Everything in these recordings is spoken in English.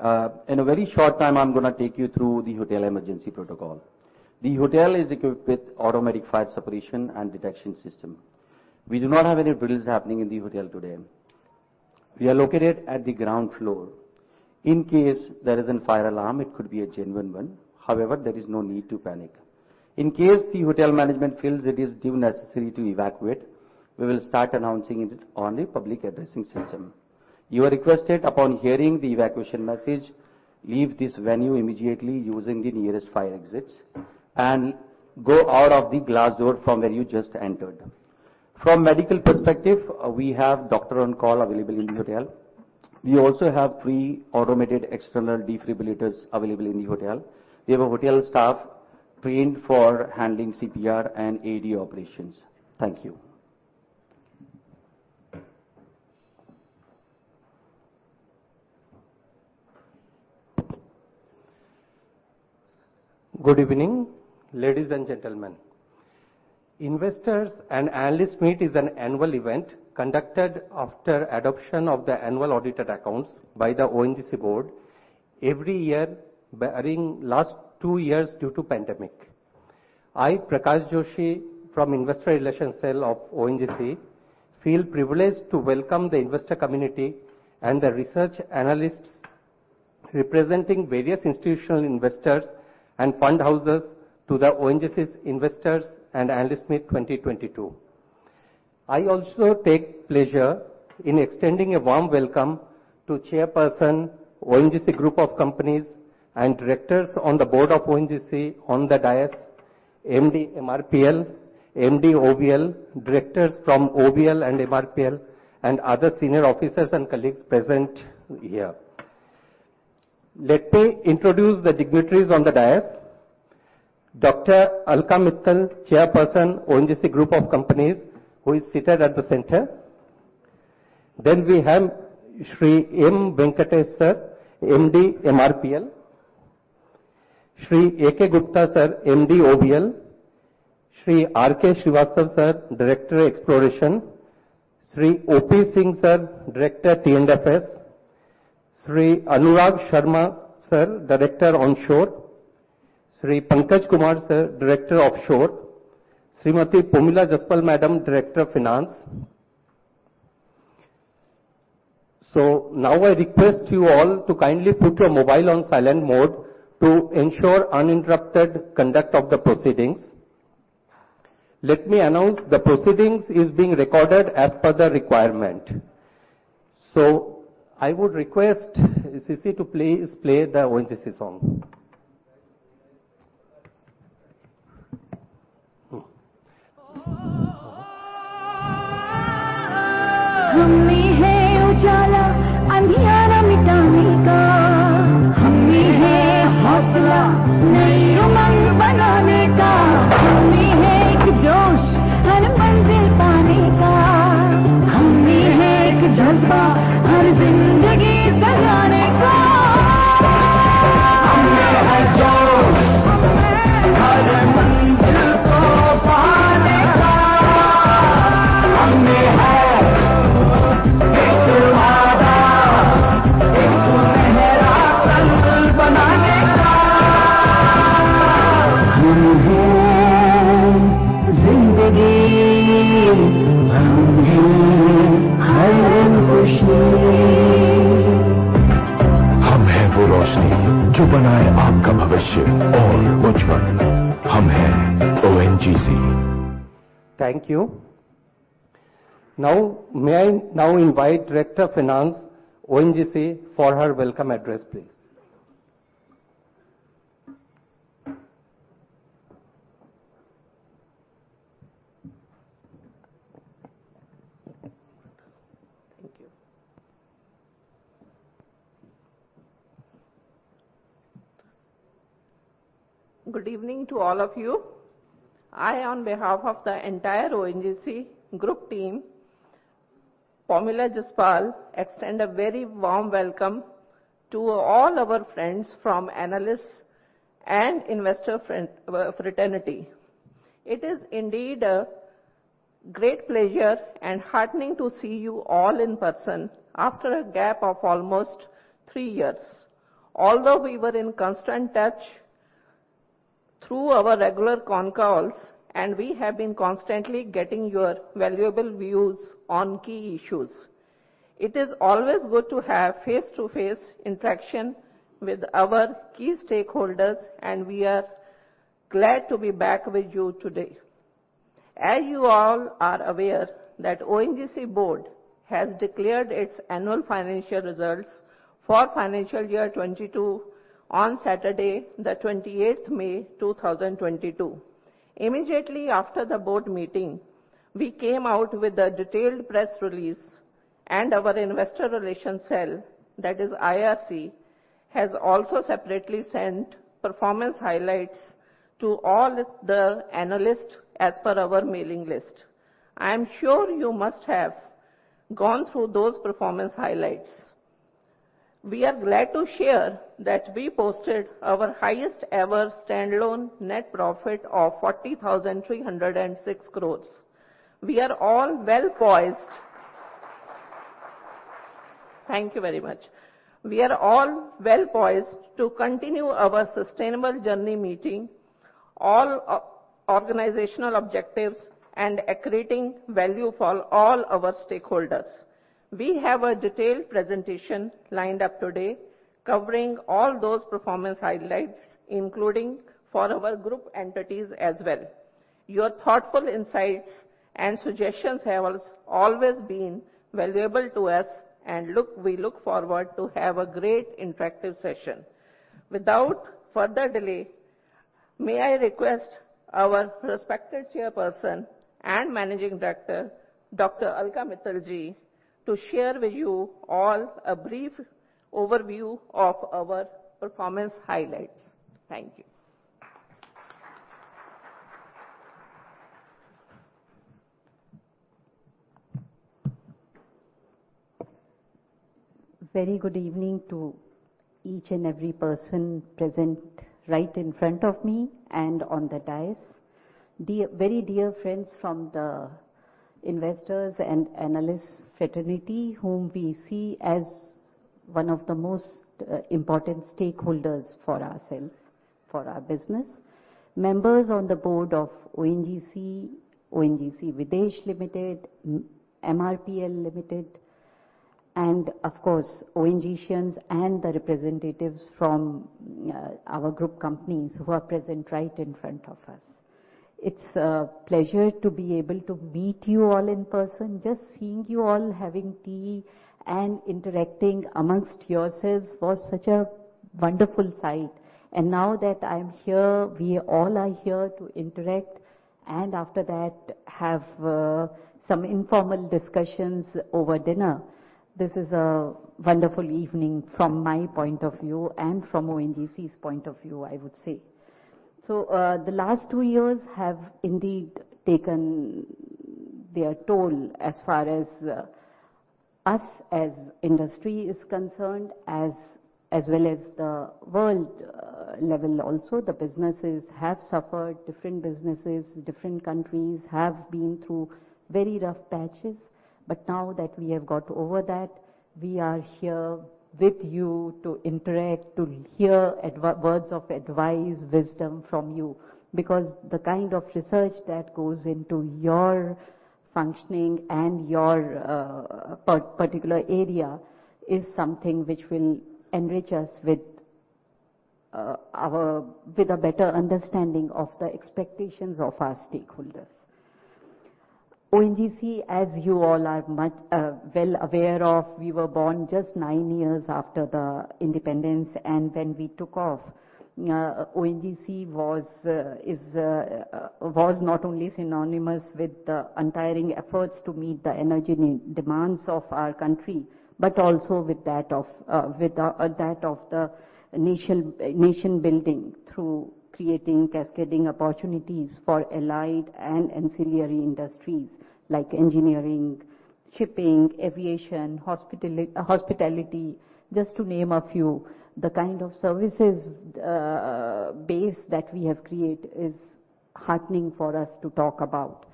In a very short time, I'm gonna take you through the hotel emergency protocol. The hotel is equipped with automatic fire suppression and detection system. We do not have any drills happening in the hotel today. We are located at the ground floor. In case there is a fire alarm, it could be a genuine one. However, there is no need to panic. In case the hotel management feels it is deemed necessary to evacuate, we will start announcing it on the public addressing system. You are requested, upon hearing the evacuation message, to leave this venue immediately using the nearest fire exits and go out of the glass door from where you just entered. From medical perspective, we have doctor on call available in the hotel. We also have 3 automated external defibrillators available in the hotel. We have a hotel staff trained for handling CPR and AED operations. Thank you. Good evening, ladies and gentlemen. Investors and Analysts Meet is an annual event conducted after adoption of the annual audited accounts by the ONGC board every year, barring last two years due to pandemic. I, Prakash Joshi, from Investor Relations cell of ONGC feel privileged to welcome the investor community and the research analysts representing various institutional investors and fund houses to the ONGC's Investors and Analysts Meet 2022. I also take pleasure in extending a warm welcome to Chairperson, ONGC Group of Companies, and directors on the board of ONGC on the dais, MD MRPL, MD OVL, directors from OVL and MRPL, and other senior officers and colleagues present here. Let me introduce the dignitaries on the dais. Dr. Alka Mittal, Chairperson, ONGC Group of Companies, who is seated at the center. Then we have Sri M. Venkatesh, sir, MD MRPL. Sri A.K. Gupta, sir, MD OVL. Sri R.K. Srivastava, sir, Director Exploration. Sri O.P. Singh, sir, Director T&FS. Sri Anurag Sharma, sir, Director Onshore. Sri Pankaj Kumar, sir, Director Offshore. Srimati Pomila Jaspal, madam, Director Finance. Now I request you all to kindly put your mobile on silent mode to ensure uninterrupted conduct of the proceedings. Let me announce the proceedings is being recorded as per the requirement. I would request CC to please play the ONGC song. Thank you. Now, may I now invite Director Finance, ONGC, for her welcome address, please. Thank you. Good evening to all of you. I, on behalf of the entire ONGC group team, Pomila Jaspal, extend a very warm welcome to all our friends from analyst and investor fraternity. It is indeed a great pleasure and heartening to see you all in person after a gap of almost three years, although we were in constant touch through our regular con calls, and we have been constantly getting your valuable views on key issues. It is always good to have face-to-face interaction with our key stakeholders, and we are glad to be back with you today. As you all are aware that ONGC board has declared its annual financial results for financial year 2022 on Saturday the 28th May 2022. Immediately after the board meeting, we came out with a detailed press release and our Investor Relations Cell, that is IRC, has also separately sent performance highlights to all the analysts as per our mailing list. I am sure you must have gone through those performance highlights. We are glad to share that we posted our highest ever standalone net profit of 40,306 crores. We are all well poised. Thank you very much. We are all well poised to continue our sustainable journey, meeting all organizational objectives and accreting value for all our stakeholders. We have a detailed presentation lined up today covering all those performance highlights, including for our group entities as well. Your thoughtful insights and suggestions have always been valuable to us, and we look forward to have a great interactive session. Without further delay, may I request our respected Chairperson & Managing Director, Dr. Alka Mittal, to share with you all a brief overview of our performance highlights. Thank you. Very good evening to each and every person present right in front of me and on the dais. Dear, very dear friends from the investors and analysts fraternity, whom we see as one of the most important stakeholders for ourselves, for our business. Members on the board of ONGC Videsh Limited, MRPL Limited, and of course, ONGCians and the representatives from our group companies who are present right in front of us. It's a pleasure to be able to meet you all in person. Just seeing you all having tea and interacting amongst yourselves was such a wonderful sight. Now that I'm here, we all are here to interact and after that have some informal discussions over dinner. This is a wonderful evening from my point of view and from ONGC's point of view, I would say. The last two years have indeed taken their toll as far as the industry is concerned, as well as the world level also. The businesses have suffered. Different businesses, different countries have been through very rough patches. Now that we have got over that, we are here with you to interact, to hear words of advice, wisdom from you, because the kind of research that goes into your functioning and your particular area is something which will enrich us with a better understanding of the expectations of our stakeholders. ONGC, as you all are well aware of, we were born just nine years after the Independence, and then we took off. ONGC was not only synonymous with the untiring efforts to meet the energy need demands of our country, but also with that of the nation building through creating cascading opportunities for allied and ancillary industries like engineering, shipping, aviation, hospitality, just to name a few. The kind of services base that we have created is heartening for us to talk about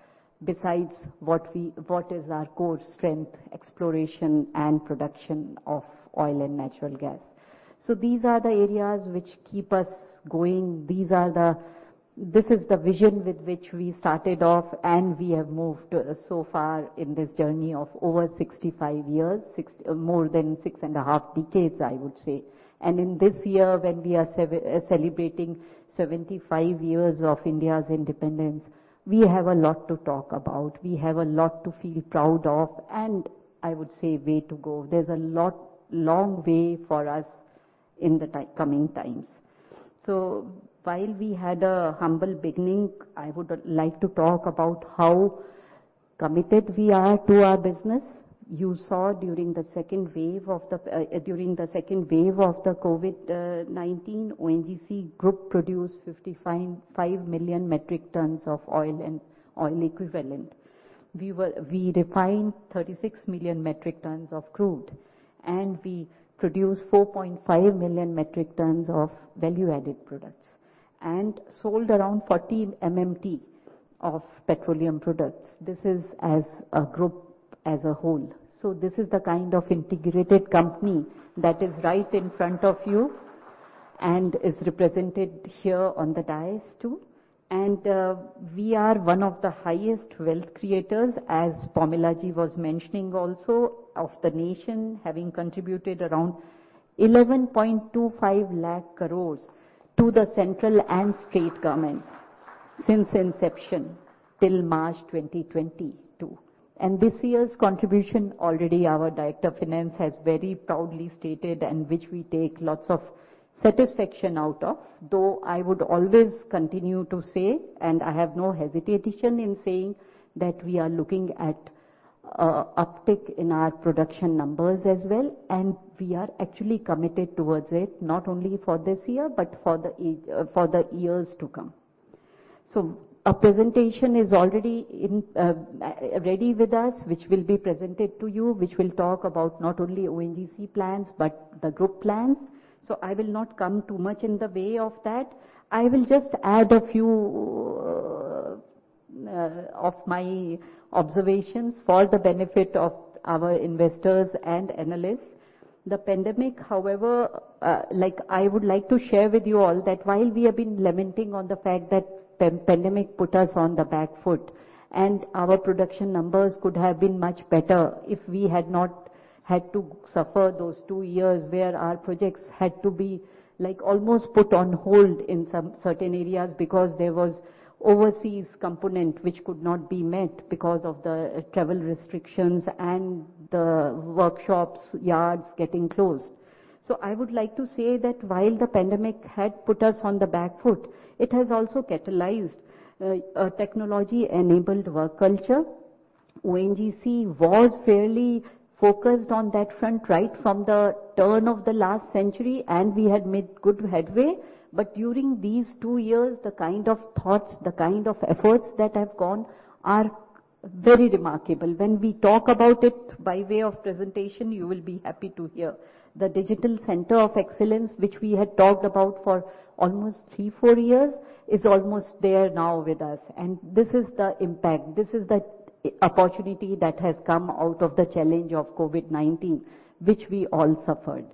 besides what is our core strength, exploration and production of oil and natural gas. These are the areas which keep us going. These are the vision with which we started off, and we have moved so far in this journey of over 65 years, more than 6.5 decades, I would say. In this year, when we are celebrating 75 years of India's independence, we have a lot to talk about. We have a lot to feel proud of, and I would say way to go. There's a long way for us in the coming times. While we had a humble beginning, I would like to talk about how committed we are to our business. You saw during the second wave of the COVID-19, ONGC Group produced 55 million metric tons of oil and oil equivalent. We refined 36 million metric tons of crude, and we produced 4.5 million metric tons of value added products, and sold around 14 MMT of petroleum products. This is as a group as a whole. This is the kind of integrated company that is right in front of you and is represented here on the dais, too. We are one of the highest wealth creators, as Pomila-ji was mentioning also, of the nation, having contributed around 11.25 lakh crores to the central and state governments since inception till March 2022. This year's contribution already our Director of Finance has very proudly stated, and which we take lots of satisfaction out of, though I would always continue to say, and I have no hesitation in saying, that we are looking at uptick in our production numbers as well, and we are actually committed towards it, not only for this year, but for the years to come. A presentation is already in ready with us, which will be presented to you, which will talk about not only ONGC plans but the group plans. I will not come too much in the way of that. I will just add a few of my observations for the benefit of our investors and analysts. The pandemic, however, like I would like to share with you all that while we have been lamenting on the fact that pandemic put us on the back foot, and our production numbers could have been much better if we had not had to suffer those two years, where our projects had to be like almost put on hold in some certain areas because there was overseas component which could not be met because of the travel restrictions and the workshops, yards getting closed. I would like to say that while the pandemic had put us on the back foot, it has also catalyzed a technology-enabled work culture. ONGC was fairly focused on that front, right from the turn of the last century, and we had made good headway. During these two years, the kind of thoughts, the kind of efforts that have gone are very remarkable. When we talk about it by way of presentation, you will be happy to hear. The digital center of excellence, which we had talked about for almost three, four years, is almost there now with us. This is the impact, this is the opportunity that has come out of the challenge of COVID-19, which we all suffered.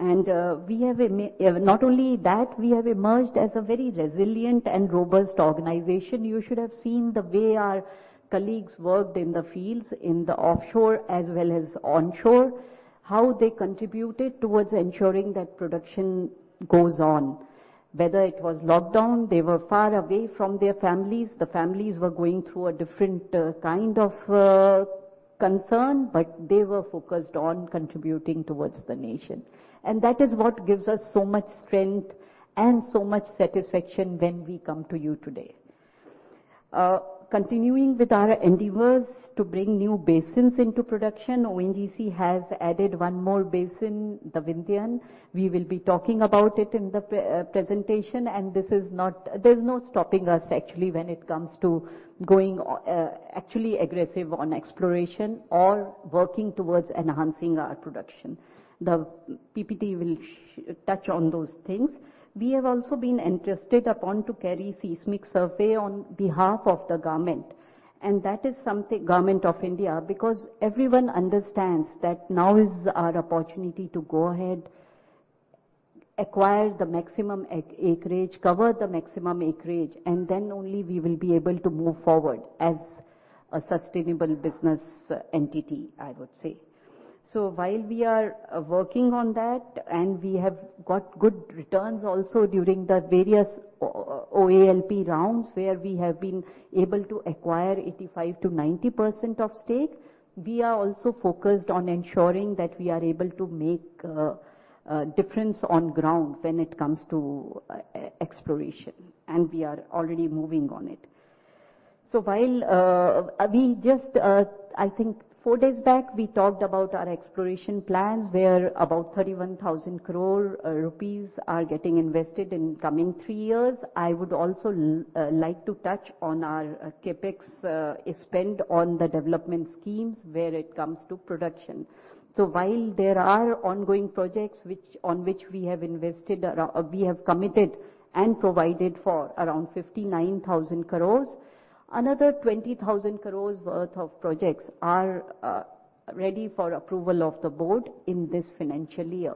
Not only that, we have emerged as a very resilient and robust organization. You should have seen the way our colleagues worked in the fields, in the offshore as well as onshore, how they contributed towards ensuring that production goes on. Whether it was lockdown, they were far away from their families. The families were going through a different kind of concern, but they were focused on contributing towards the nation. That is what gives us so much strength and so much satisfaction when we come to you today. Continuing with our endeavors to bring new basins into production, ONGC has added one more basin, the Vindhyan. We will be talking about it in the presentation, and this is not. There's no stopping us actually when it comes to going actually aggressive on exploration or working towards enhancing our production. The PPT will touch on those things. We have also been entrusted upon to carry seismic survey on behalf of the government, and that is something government of India, because everyone understands that now is our opportunity to go ahead, acquire the maximum acreage, cover the maximum acreage, and then only we will be able to move forward as a sustainable business entity, I would say. While we are working on that, and we have got good returns also during the various OALP rounds, where we have been able to acquire 85%-90% of stake, we are also focused on ensuring that we are able to make a difference on ground when it comes to exploration, and we are already moving on it. I think four days back, we talked about our exploration plans, where about 31,000 crore rupees are getting invested in coming three years. I would also like to touch on our CapEx spend on the development schemes where it comes to production. While there are ongoing projects, which on which we have committed and provided for around 59,000 crore, another 20,000 crore worth of projects are ready for approval of the board in this financial year.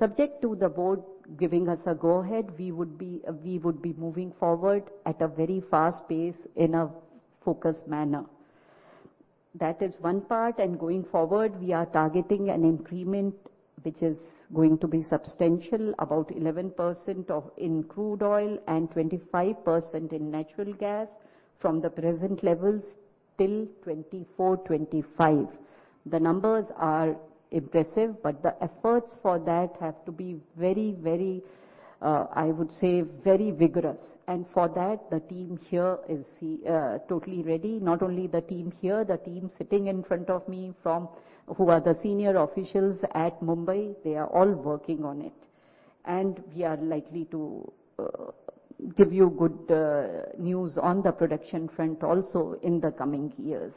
Subject to the board giving us a go-ahead, we would be moving forward at a very fast pace in a focused manner. That is one part, and going forward, we are targeting an increment, which is going to be substantial, about 11% in crude oil and 25% in natural gas from the present levels till 2024, 2025. The numbers are impressive, but the efforts for that have to be very, I would say, very vigorous. For that, the team here is totally ready. Not only the team here, the team sitting in front of me who are the senior officials at Mumbai, they are all working on it. We are likely to give you good news on the production front also in the coming years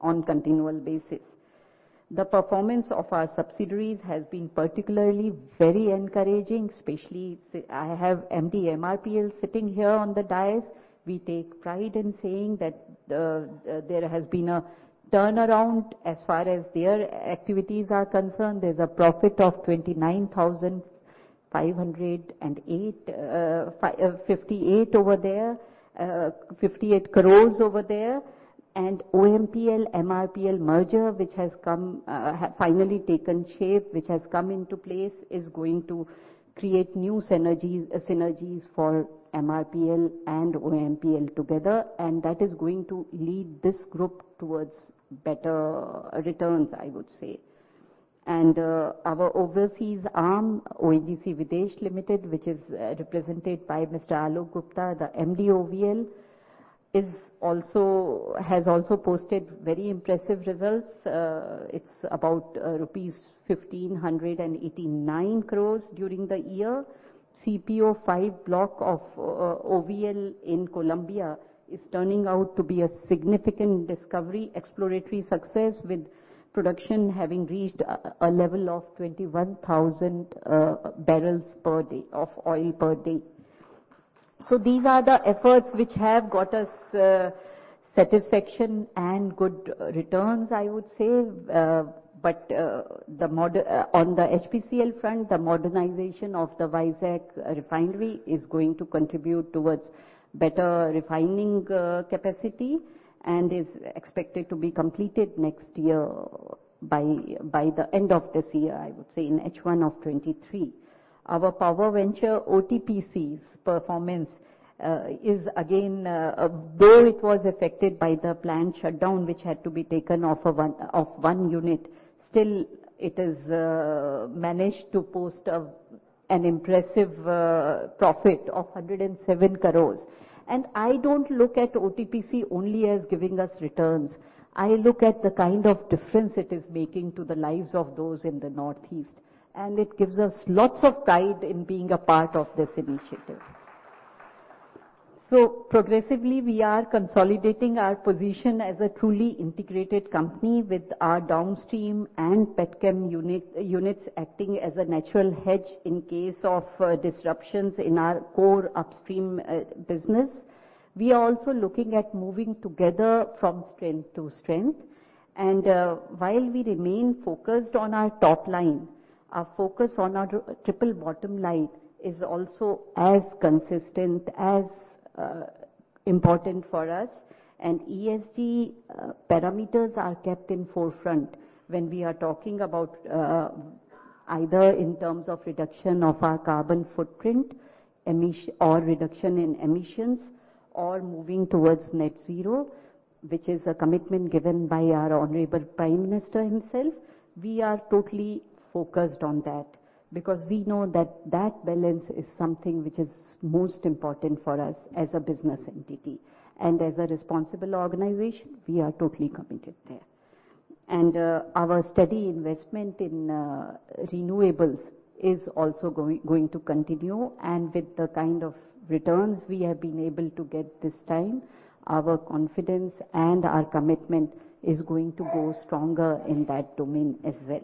on continual basis. The performance of our subsidiaries has been particularly very encouraging, especially I have MD MRPL sitting here on the dais. We take pride in saying that there has been a turnaround as far as their activities are concerned. There's a profit of INR 29,585 crores over there. OMPL, MRPL merger, which has finally taken shape and come into place, is going to create new synergies for MRPL and OMPL together, and that is going to lead this group towards better returns, I would say. Our overseas arm, ONGC Videsh Limited, which is represented by Mr. Alok Gupta, the MD OVL, has also posted very impressive results. It's about rupees 1,589 crores during the year. CPO-5 block of OVL in Colombia is turning out to be a significant discovery, exploratory success with production having reached a level of 21,000 barrels per day of oil per day. These are the efforts which have got us satisfaction and good returns, I would say. On the HPCL front, the modernization of the Vizag refinery is going to contribute towards better refining capacity and is expected to be completed next year by the end of this year, I would say, in H1 of 2023. Our power venture OTPC's performance is again, though it was affected by the plant shutdown which had to be taken off of one unit, still it has managed to post an impressive profit of 107 crores. I don't look at OTPC only as giving us returns. I look at the kind of difference it is making to the lives of those in the Northeast, and it gives us lots of pride in being a part of this initiative. Progressively, we are consolidating our position as a truly integrated company with our downstream and petchem units acting as a natural hedge in case of disruptions in our core upstream business. We are also looking at moving together from strength to strength. While we remain focused on our top line, our focus on our triple bottom line is also as consistent, as important for us. ESG parameters are kept in forefront when we are talking about either in terms of reduction of our carbon footprint, or reduction in emissions or moving towards net zero, which is a commitment given by our Honorable Prime Minister himself. We are totally focused on that because we know that that balance is something which is most important for us as a business entity. As a responsible organization, we are totally committed there. Our steady investment in renewables is also going to continue. With the kind of returns we have been able to get this time, our confidence and our commitment is going to grow stronger in that domain as well.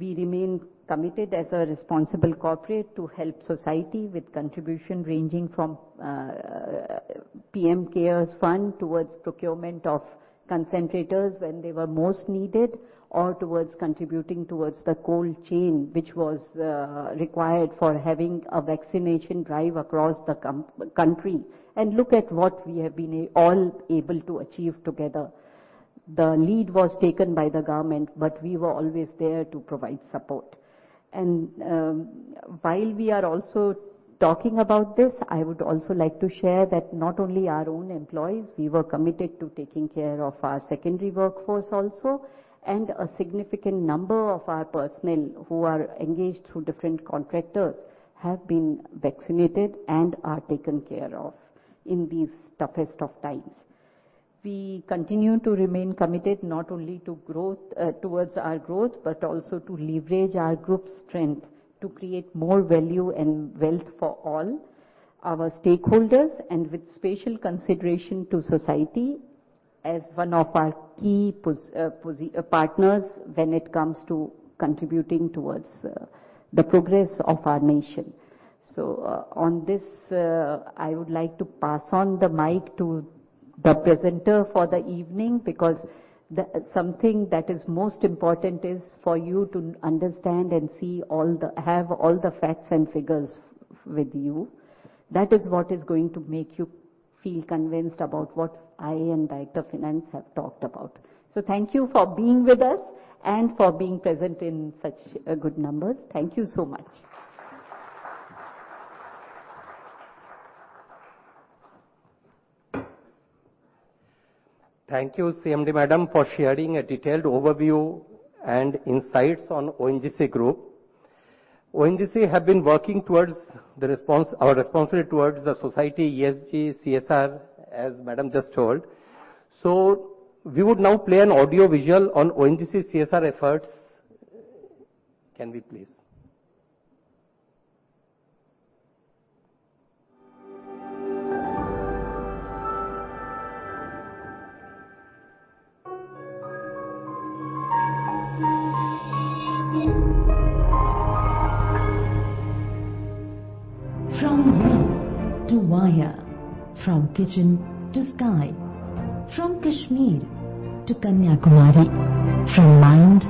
We remain committed as a responsible corporate to help society with contribution ranging from PM CARES Fund towards procurement of concentrators when they were most needed, or towards contributing towards the cold chain which was required for having a vaccination drive across the country. Look at what we have been all able to achieve together. The lead was taken by the government, but we were always there to provide support. While we are also talking about this, I would also like to share that not only our own employees, we were committed to taking care of our secondary workforce also. A significant number of our personnel who are engaged through different contractors have been vaccinated and are taken care of in these toughest of times. We continue to remain committed not only to growth towards our growth, but also to leverage our group's strength to create more value and wealth for all our stakeholders, and with special consideration to society as one of our key partners when it comes to contributing towards the progress of our nation. I would like to pass on the mic to the presenter for the evening because something that is most important is for you to understand and have all the facts and figures with you. That is what is going to make you feel convinced about what I and Director Finance have talked about. Thank you for being with us and for being present in such good numbers. Thank you so much. Thank you, CMD Madam, for sharing a detailed overview and insights on ONGC Group. ONGC have been working towards the response, our responsibility towards the society, ESG, CSR, as Madam just told. We would now play an audio visual on ONGC CSR efforts. Can we please? From wheel to wire, from kitchen to sky, from Kashmir to Kanyakumari, from mind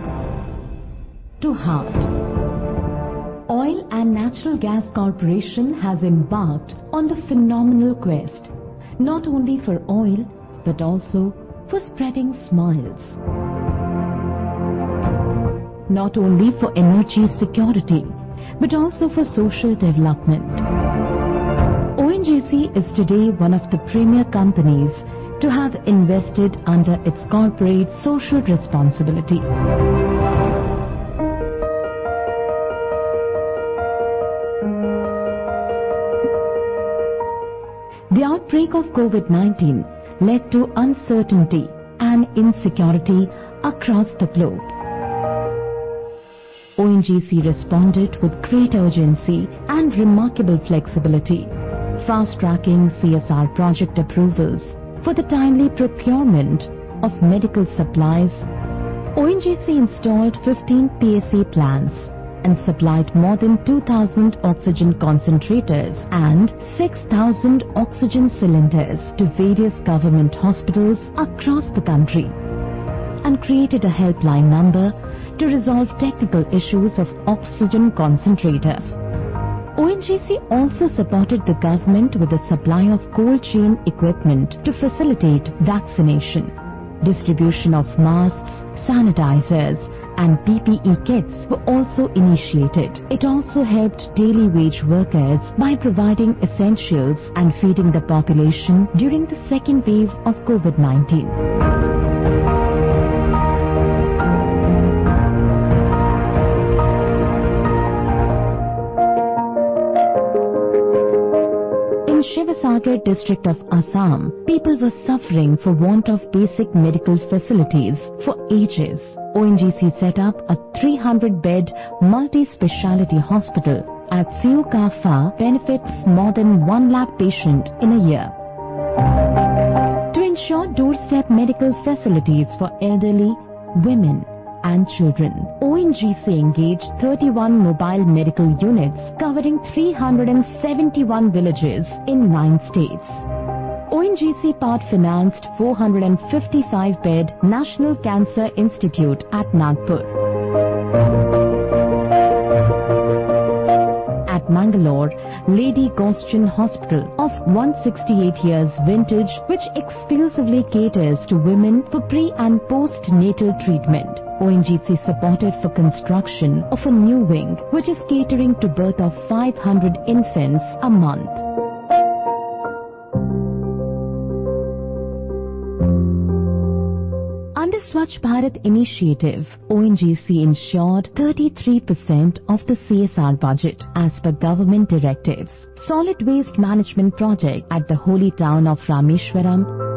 to heart, Oil and Natural Gas Corporation has embarked on the phenomenal quest not only for oil, but also for spreading smiles. Not only for energy security, but also for social development. ONGC is today one of the premier companies to have invested under its Corporate Social Responsibility. The outbreak of COVID-19 led to uncertainty and insecurity across the globe. ONGC responded with great urgency and remarkable flexibility. Fast-tracking CSR project approvals for the timely procurement of medical supplies. ONGC installed 15 PSA plants and supplied more than 2,000 oxygen concentrators and 6,000 oxygen cylinders to various government hospitals across the country, and created a helpline number to resolve technical issues of oxygen concentrators. ONGC also supported the government with the supply of cold chain equipment to facilitate vaccination. Distribution of masks, sanitizers, and PPE kits were also initiated. It also helped daily wage workers by providing essentials and feeding the population during the second wave of COVID-19. In Sivasagar district of Assam, people were suffering for want of basic medical facilities for ages. ONGC set up a 300-bed multispecialty hospital at Siu-Ka-Pha, benefits more than 1 lakh patient in a year. To ensure doorstep medical facilities for elderly, women, and children, ONGC engaged 31 mobile medical units covering 371 villages in nine states. ONGC part-financed 455-bed National Cancer Institute at Nagpur. At Mangaluru, Lady Goschen Hospital of 168 years vintage, which exclusively caters to women for pre and postnatal treatment, ONGC supported for construction of a new wing, which is catering to birth of 500 infants a month. Under Swachh Bharat initiative, ONGC ensured 33% of the CSR budget as per government directives. Solid waste management project at the holy town of Rameswaram.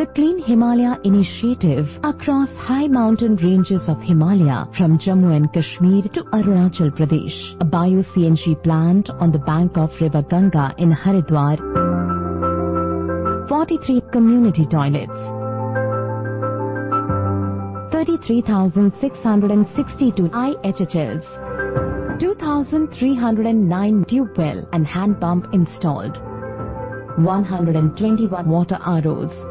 The Clean Himalaya Initiative across high mountain ranges of Himalaya from Jammu and Kashmir to Arunachal Pradesh. A bio-CNG plant on the bank of River Ganga in Haridwar. 43 community toilets. 33,662 IHHLs. 2,309 tube well and hand pump installed. 121 water ROs.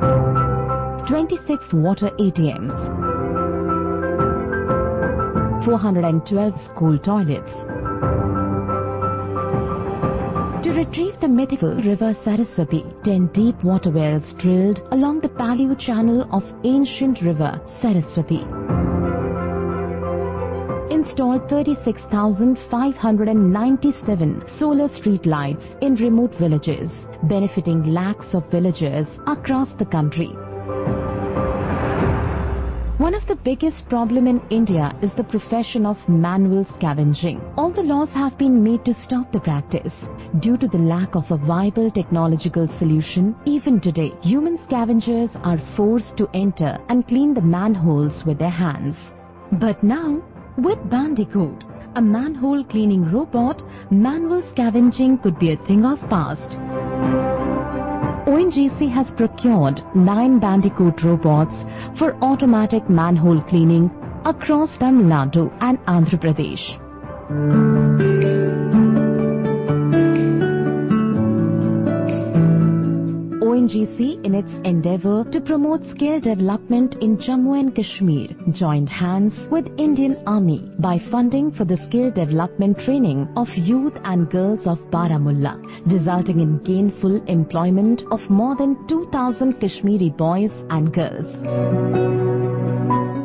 26 water ATMs. 412 school toilets. To retrieve the mythical River Sarasvati, 10 deep water wells drilled along the paleo channel of ancient River Sarasvati. Installed 36,597 solar streetlights in remote villages, benefiting lakhs of villagers across the country. One of the biggest problem in India is the profession of manual scavenging. Although laws have been made to stop the practice, due to the lack of a viable technological solution, even today, human scavengers are forced to enter and clean the manholes with their hands. Now, with Bandicoot, a manhole cleaning robot, manual scavenging could be a thing of past. ONGC has procured 9 Bandicoot robots for automatic manhole cleaning across Tamil Nadu and Andhra Pradesh. ONGC, in its endeavor to promote skill development in Jammu and Kashmir, joined hands with Indian Army by funding for the skill development training of youth and girls of Baramulla, resulting in gainful employment of more than 2,000 Kashmiri boys and girls.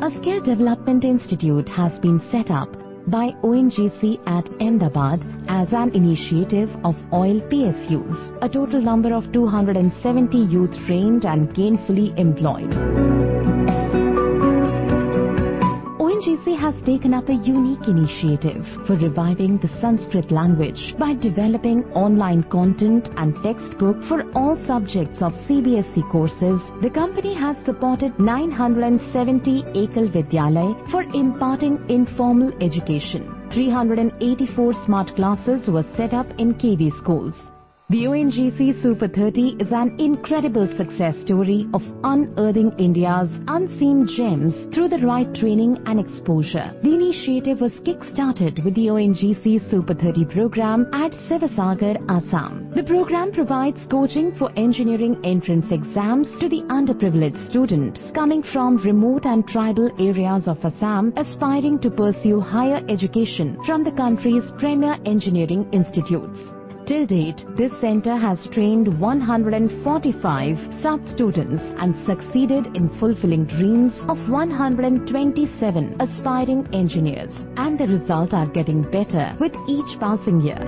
A skill development institute has been set up by ONGC at Ahmedabad as an initiative of Oil PSUs. A total number of 270 youth trained and gainfully employed. ONGC has taken up a unique initiative for reviving the Sanskrit language. By developing online content and textbook for all subjects of CBSE courses, the company has supported 970 Ekal Vidyalaya for imparting informal education. 384 smart classes were set up in KV schools. The ONGC Super 30 is an incredible success story of unearthing India's unseen gems through the right training and exposure. The initiative was kickstarted with the ONGC Super 30 program at Sivasagar, Assam. The program provides coaching for engineering entrance exams to the underprivileged students coming from remote and tribal areas of Assam, aspiring to pursue higher education from the country's premier engineering institutes. To date, this center has trained 145 such students and succeeded in fulfilling dreams of 127 aspiring engineers, and the results are getting better with each passing year.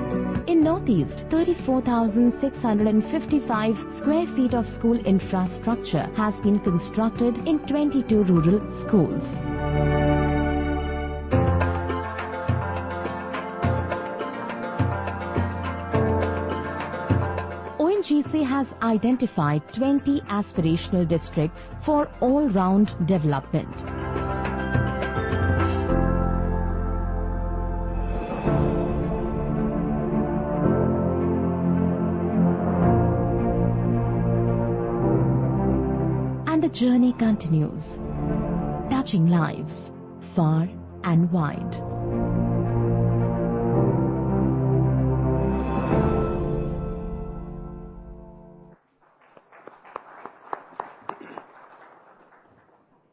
In Northeast, 34,655 sq ft of school infrastructure has been constructed in 22 rural schools. ONGC has identified 20 aspirational districts for all-around development. The journey continues, touching lives far and wide.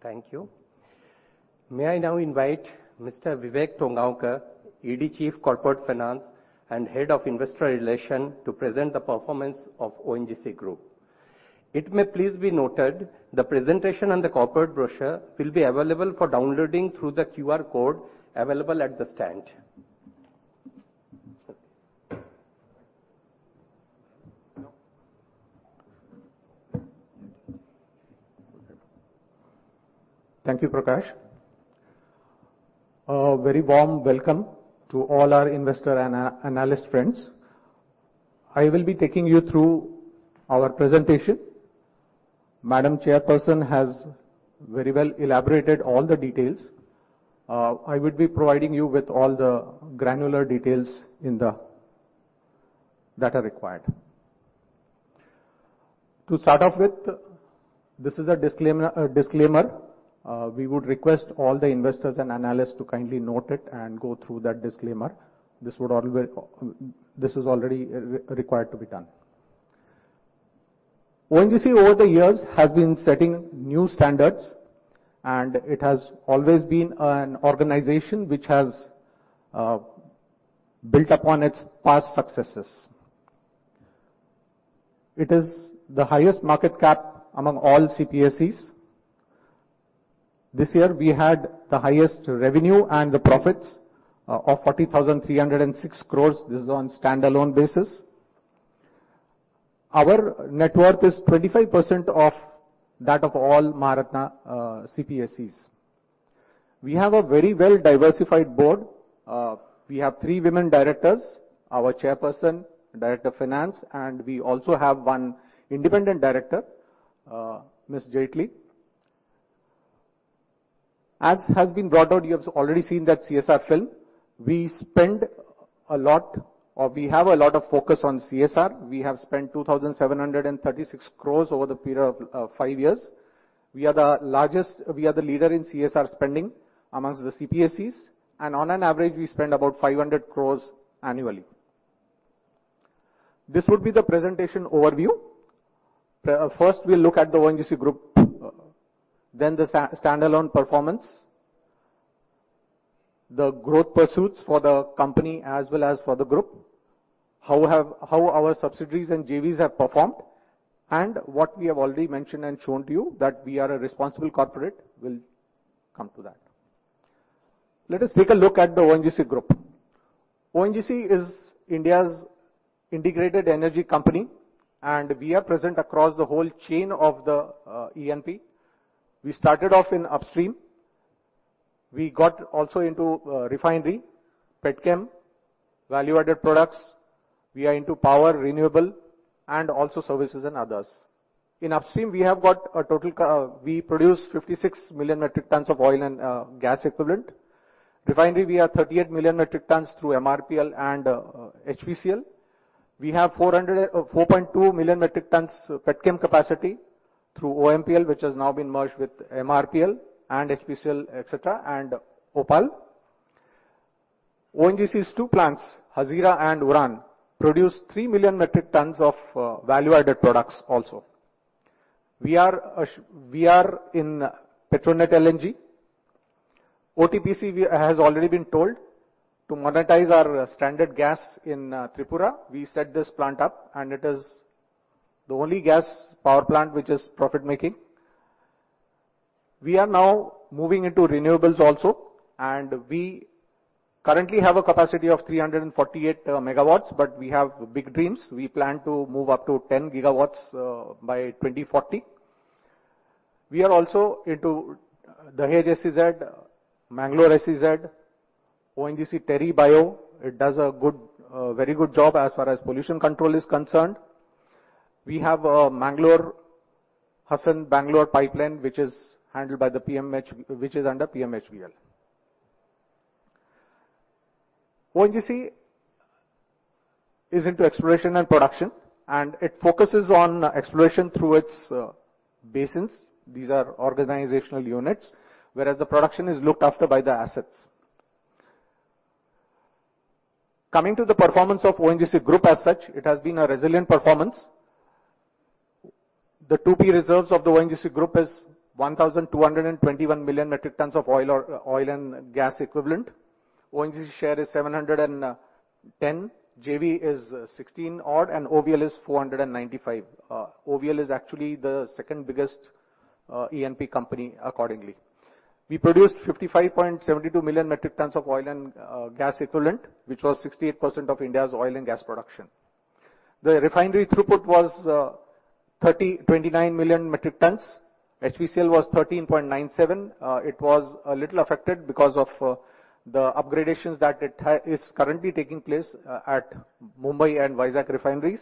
Thank you. May I now invite Mr. Vivek Tongaonkar, ED Chief Corporate Finance and Head of Investor Relations, to present the performance of ONGC Group. It may please be noted, the presentation and the corporate brochure will be available for downloading through the QR code available at the stand. Thank you, Prakash. A very warm welcome to all our investor analyst friends. I will be taking you through our presentation. Madam Chairperson has very well elaborated all the details. I will be providing you with all the granular details that are required. To start off with, this is a disclaimer. We would request all the investors and analysts to kindly note it and go through that disclaimer. This is already required to be done. ONGC, over the years, has been setting new standards, and it has always been an organization which has built upon its past successes. It is the highest market cap among all CPSEs. This year we had the highest revenue and the profits of 40,306 crore. This is on standalone basis. Our net worth is 25% of that of all Maharatna CPSEs. We have a very well diversified board. We have three women directors, our chairperson, director of finance, and we also have one independent director, Ms. Jaitly. As has been brought out, you have already seen that CSR film. We spend a lot, or we have a lot of focus on CSR. We have spent 2,736 crore over the period of 5 years. We are the leader in CSR spending among the CPSEs, and on an average, we spend about 500 crore annually. This would be the presentation overview. First, we'll look at the ONGC Group, then the standalone performance, the growth pursuits for the company as well as for the group, how our subsidiaries and JVs have performed, and what we have already mentioned and shown to you, that we are a responsible corporate. We'll come to that. Let us take a look at the ONGC Group. ONGC is India's integrated energy company, and we are present across the whole chain of the E&P. We started off in upstream. We got also into refinery, petchem, value-added products. We are into power, renewable, and also services and others. In upstream, we have got a total. We produce 56 million metric tons of oil and gas equivalent. Refinery, we are 38 million metric tons through MRPL and HPCL. We have 404.2 million metric tons petrochemical capacity through OMPL, which has now been merged with MRPL and HPCL, et cetera, and OPaL. ONGC's two plants, Hazira and Uran, produce 3 million metric tons of value-added products also. We are in Petronet LNG. OTPC has already been told to monetize our stranded gas in Tripura. We set this plant up, and it is the only gas power plant which is profit-making. We are now moving into renewables also, and we currently have a capacity of 348 megawatts, but we have big dreams. We plan to move up to 10 gigawatts by 2040. We are also into Dahej SEZ, Mangalore SEZ, ONGC TERI Biotech. It does a good very good job as far as pollution control is concerned. We have a Mangalore-Hassan-Bangalore pipeline, which is handled by the PMHBL, which is under PMHBL. ONGC is into exploration and production, and it focuses on exploration through its basins. These are organizational units, whereas the production is looked after by the assets. Coming to the performance of ONGC Group as such, it has been a resilient performance. The 2P reserves of the ONGC Group is 1,221 million metric tons of oil or oil and gas equivalent. ONGC share is 710, JV is 16 odd, and OVL is 495. OVL is actually the second biggest E&P company, accordingly. We produced 55.72 million metric tons of oil and gas equivalent, which was 68% of India's oil and gas production. The refinery throughput was 29 million metric tons. HPCL was 13.97. It was a little affected because of the upgradations that it is currently taking place at Mumbai and Vizag refineries.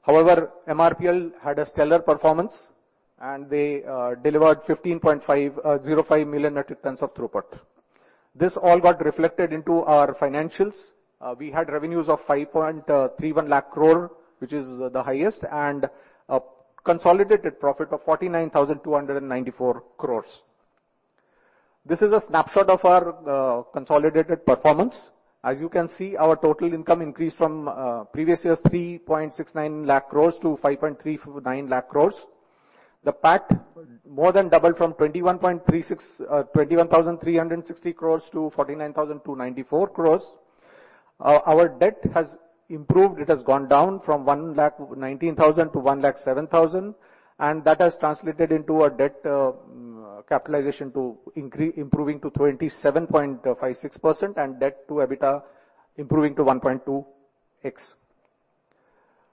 However, MRPL had a stellar performance, and they delivered 15.505 million metric tons of throughput. This all got reflected into our financials. We had revenues of 5.31 lakh crore, which is the highest, and a consolidated profit of 49,294 crore. This is a snapshot of our consolidated performance. As you can see, our total income increased from previous year's 3.69 lakh crore to 5.349 lakh crore. The PAT more than doubled from 21,360 crore to 49,294 crore. Our debt has improved. It has gone down from 119,000 to 107,000, and that has translated into a debt capitalization improving to 27.56%, and debt to EBITDA improving to 1.2x.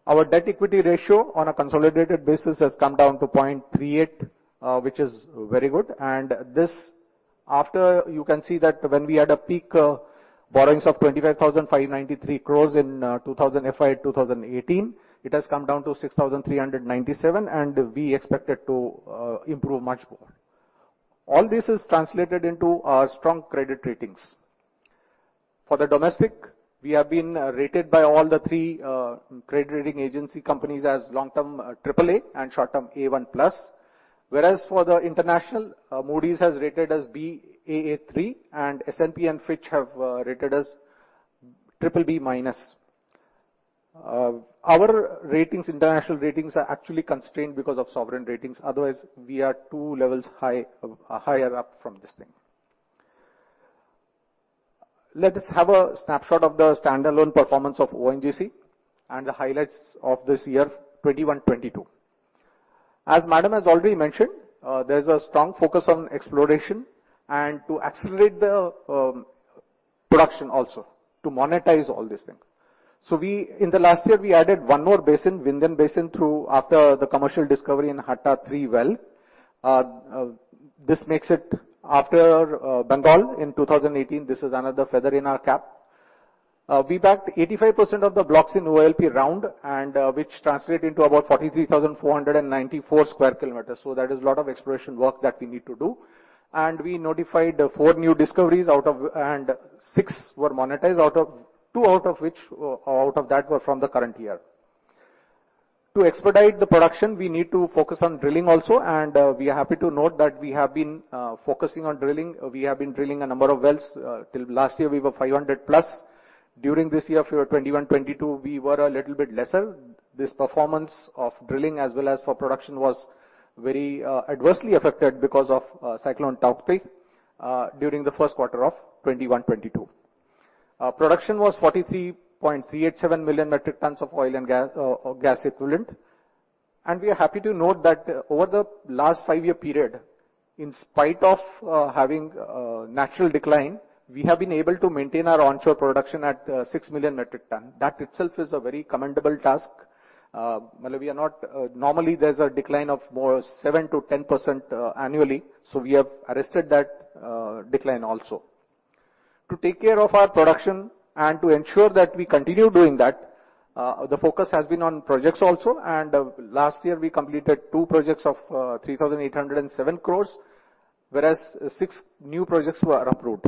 Our debt equity ratio on a consolidated basis has come down to 0.38, which is very good. This, as you can see, when we had a peak borrowings of 25,593 crore in FY 2018, it has come down to 6,397 crore, and we expect it to improve much more. All this is translated into strong credit ratings. For the domestic, we have been rated by all three credit rating agencies as long-term AAA and short-term A1+. For the international, Moody's has rated us Baa3, and S&P and Fitch have rated us BBB-. Our international ratings are actually constrained because of sovereign ratings, otherwise we are two levels higher up from this thing. Let us have a snapshot of the standalone performance of ONGC and the highlights of this year, 2021-22. As madam has already mentioned, there's a strong focus on exploration and to accelerate the production also, to monetize all these things. In the last year, we added one more basin, Vindhyan Basin, through after the commercial discovery in Hatta-3 well. This makes it after Bengal in 2018, this is another feather in our cap. We backed 85% of the blocks in OALP round, which translate into about 43,494 sq km. That is a lot of exploration work that we need to do. We notified 4 new discoveries and 6 were monetized, 2 out of which were from the current year. To expedite the production, we need to focus on drilling also, we are happy to note that we have been focusing on drilling. We have been drilling a number of wells. Till last year we were 500+. During this year, FY 2021-22, we were a little bit lesser. This performance of drilling as well as for production was very adversely affected because of Cyclone Tauktae during the first quarter of 2021-22. Production was 43.387 million metric tons of oil and gas or gas equivalent. We are happy to note that over the last five-year period, in spite of having natural decline, we have been able to maintain our onshore production at 6 million metric tons. That itself is a very commendable task. Normally there's a decline of more 7%-10% annually, so we have arrested that decline also. To take care of our production and to ensure that we continue doing that, the focus has been on projects also, and last year we completed 2 projects of 3,807 crores, whereas 6 new projects were approved.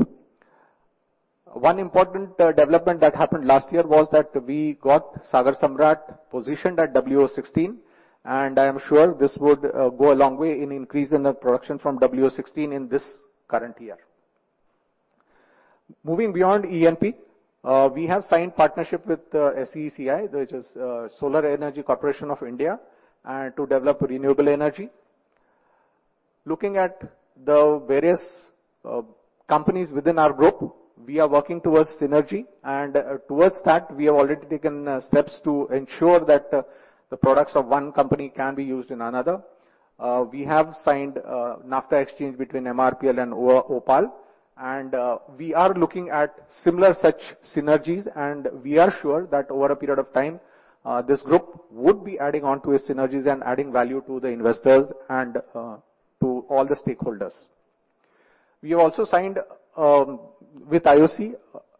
One important development that happened last year was that we got Sagar Samrat positioned at WO-16, and I am sure this would go a long way in increasing the production from WO-16 in this current year. Moving beyond E&P, we have signed partnership with SECI, which is Solar Energy Corporation of India, to develop renewable energy. Looking at the various companies within our group, we are working towards synergy. Towards that, we have already taken steps to ensure that the products of one company can be used in another. We have signed a naphtha exchange between MRPL and OPaL, and we are looking at similar such synergies, and we are sure that over a period of time, this group would be adding on to its synergies and adding value to the investors and to all the stakeholders. We have also signed with IOC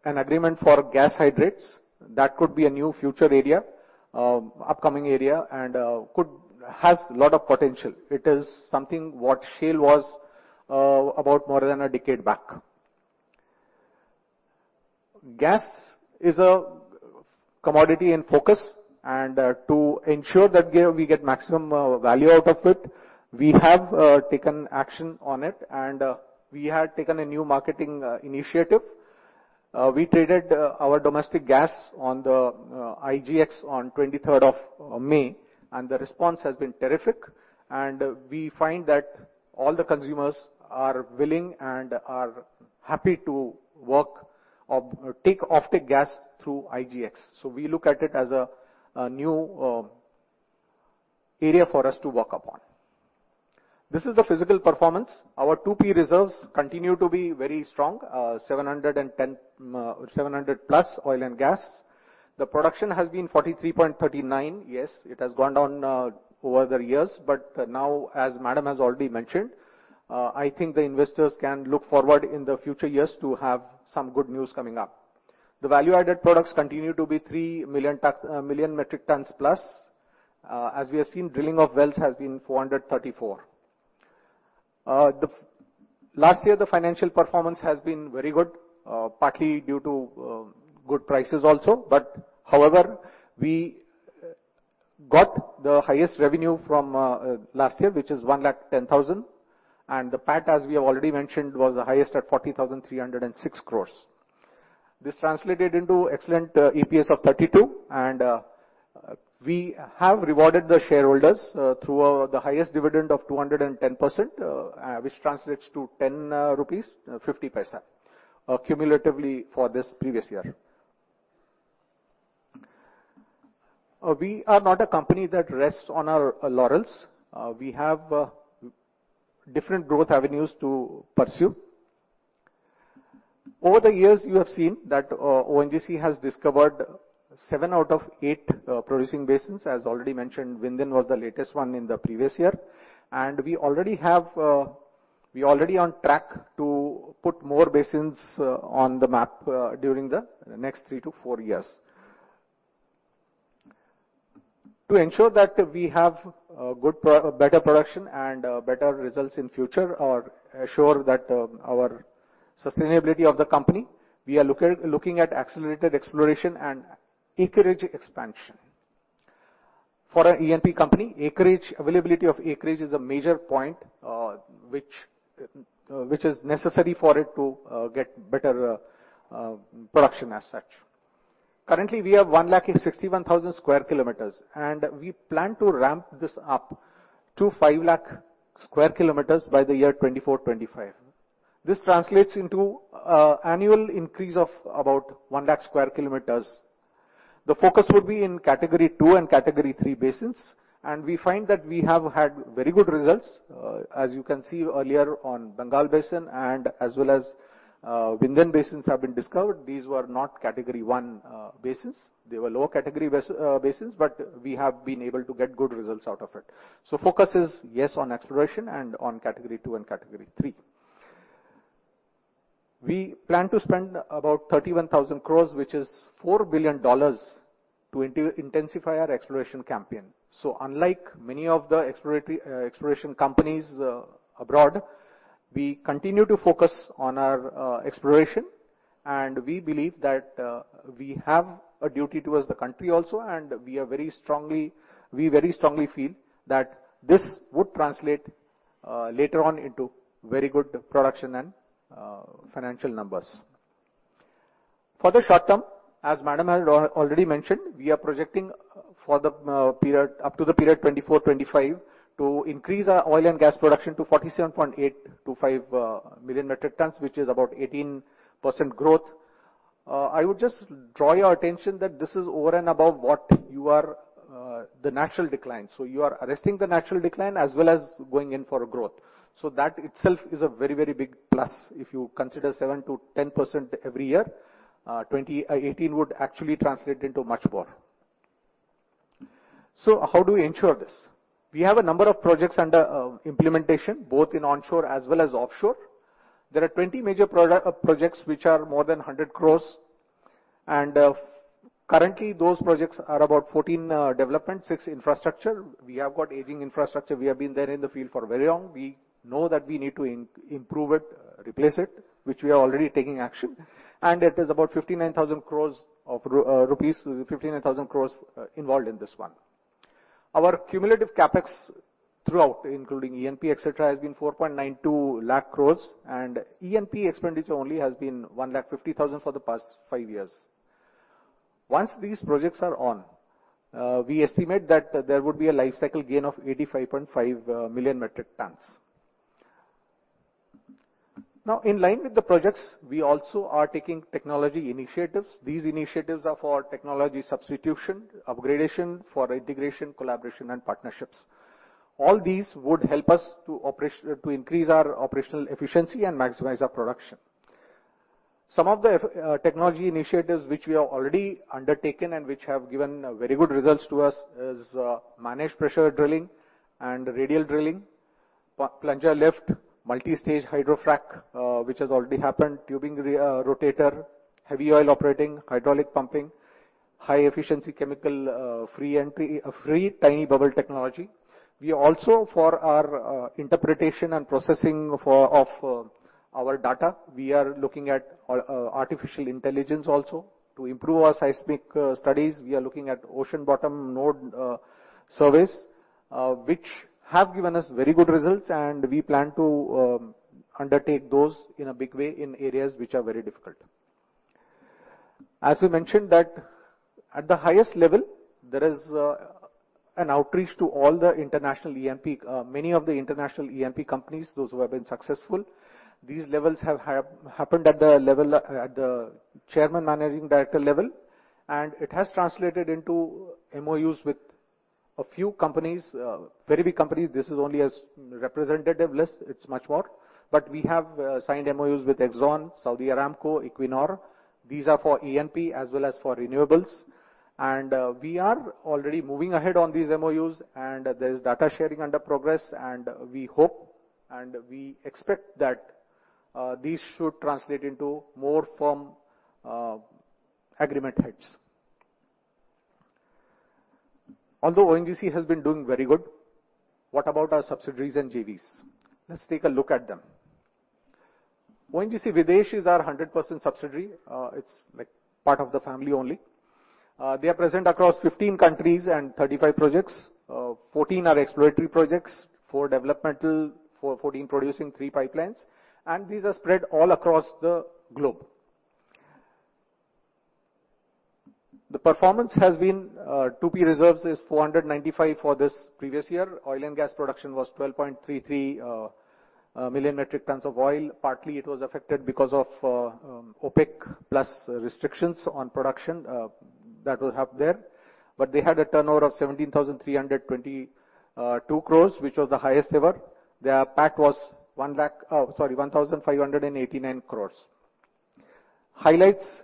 an agreement for gas hydrates. That could be a new future area, upcoming area and could has a lot of potential. It is something what shale was about more than a decade back. Gas is a commodity in focus, and to ensure that we get maximum value out of it, we have taken action on it, and we had taken a new marketing initiative. We traded our domestic gas on the IGX on 23rd of May, and the response has been terrific. We find that all the consumers are willing and are happy to take offtake gas through IGX. We look at it as a new area for us to work upon. This is the physical performance. Our 2P reserves continue to be very strong, 700+ oil and gas. The production has been 43.39. Yes, it has gone down over the years, but now, as Madam has already mentioned, I think the investors can look forward in the future years to have some good news coming up. The value-added products continue to be 3 million metric tons+. As we have seen, drilling of wells has been 434. Last year, the financial performance has been very good, partly due to good prices also. However, we got the highest revenue from last year, which is 110,000 crore. The PAT, as we have already mentioned, was the highest at 40,306 crore. This translated into excellent EPS of 32, and we have rewarded the shareholders through the highest dividend of 210%, which translates to 10.50 rupees cumulatively for this previous year. We are not a company that rests on our laurels. We have different growth avenues to pursue. Over the years, you have seen that ONGC has discovered 7 out of 8 producing basins. As already mentioned, Vindhyan was the latest one in the previous year. We already on track to put more basins on the map during the next 3-4 years. To ensure that we have better production and better results in future, or assure that our sustainability of the company, we are looking at accelerated exploration and acreage expansion. For an E&P company, acreage availability of acreage is a major point which is necessary for it to get better production as such. Currently, we have 161,000 sq km, and we plan to ramp this up to 500,000 sq km by the year 2024-2025. This translates into annual increase of about 100,000 sq km. The focus will be in Category Two and Category Three basins, and we find that we have had very good results. As you can see earlier on Bengal Basin and as well as, Vindhyan Basins have been discovered. These were not Category One basins. They were lower category basins, but we have been able to get good results out of it. Focus is, yes, on exploration and on Category Two and Category Three. We plan to spend about 31,000 crore, which is $4 billion, to intensify our exploration campaign. Unlike many of the exploration companies abroad, we continue to focus on our exploration, and we believe that we have a duty towards the country also, and we very strongly feel that this would translate later on into very good production and financial numbers. For the short term, as Madam has already mentioned, we are projecting up to the period 2024-25 to increase our oil and gas production to 47.825 million metric tons, which is about 18% growth. I would just draw your attention that this is over and above the natural decline. You are arresting the natural decline as well as going in for growth. That itself is a very, very big plus, if you consider 7%-10% every year, 2018 would actually translate into much more. How do we ensure this? We have a number of projects under implementation, both in onshore as well as offshore. There are 20 major projects which are more than 100 crores. Currently, those projects are about 14 development, 6 infrastructure. We have got aging infrastructure. We have been there in the field for very long. We know that we need to improve it, replace it, which we are already taking action. It is about 59,000 crores of rupees, 59,000 crores involved in this one. Our cumulative CapEx throughout, including E&P, et cetera, has been 4.92 lakh crores. E&P expenditure only has been 1.5 lakh for the past five years. Once these projects are on, we estimate that there would be a lifecycle gain of 85.5 million metric tons. In line with the projects, we also are taking technology initiatives. These initiatives are for technology substitution, upgradation, for integration, collaboration, and partnerships. All these would help us to increase our operational efficiency and maximize our production. Some of the technology initiatives which we have already undertaken and which have given very good results to us is managed pressure drilling and radial drilling, plunger lift, multi-stage hydrofrac, which has already happened, tubing rotator, heavy oil operating, hydraulic pumping, high efficiency chemical, fine bubble technology. We also, for our interpretation and processing of our data, we are looking at artificial intelligence also. To improve our seismic studies, we are looking at ocean bottom node surveys, which have given us very good results, and we plan to undertake those in a big way in areas which are very difficult. As we mentioned that at the highest level, there is an outreach to all the international E&P, many of the international E&P companies, those who have been successful. These levels have happened at the level, at the chairman, managing director level, and it has translated into MOUs with a few companies, very big companies, this is only a representative list, it's much more, but we have signed MOUs with ExxonMobil, Saudi Aramco, Equinor. These are for E&P as well as for renewables. We are already moving ahead on these MOUs, and there is data sharing under progress. We hope and we expect that these should translate into more firm agreement hits. Although ONGC has been doing very good, what about our subsidiaries and JVs? Let's take a look at them. ONGC Videsh is our 100% subsidiary. It's like part of the family only. They are present across 15 countries and 35 projects. 14 are exploratory projects, 4 developmental, 14 producing, 3 pipelines, and these are spread all across the globe. The performance has been 2P reserves is 495 for this previous year. Oil and gas production was 12.33 million metric tons of oil. Partly it was affected because of OPEC+ restrictions on production that will help there. They had a turnover of 17,322 crore, which was the highest ever. Their PAT was 1,589 crore. Highlights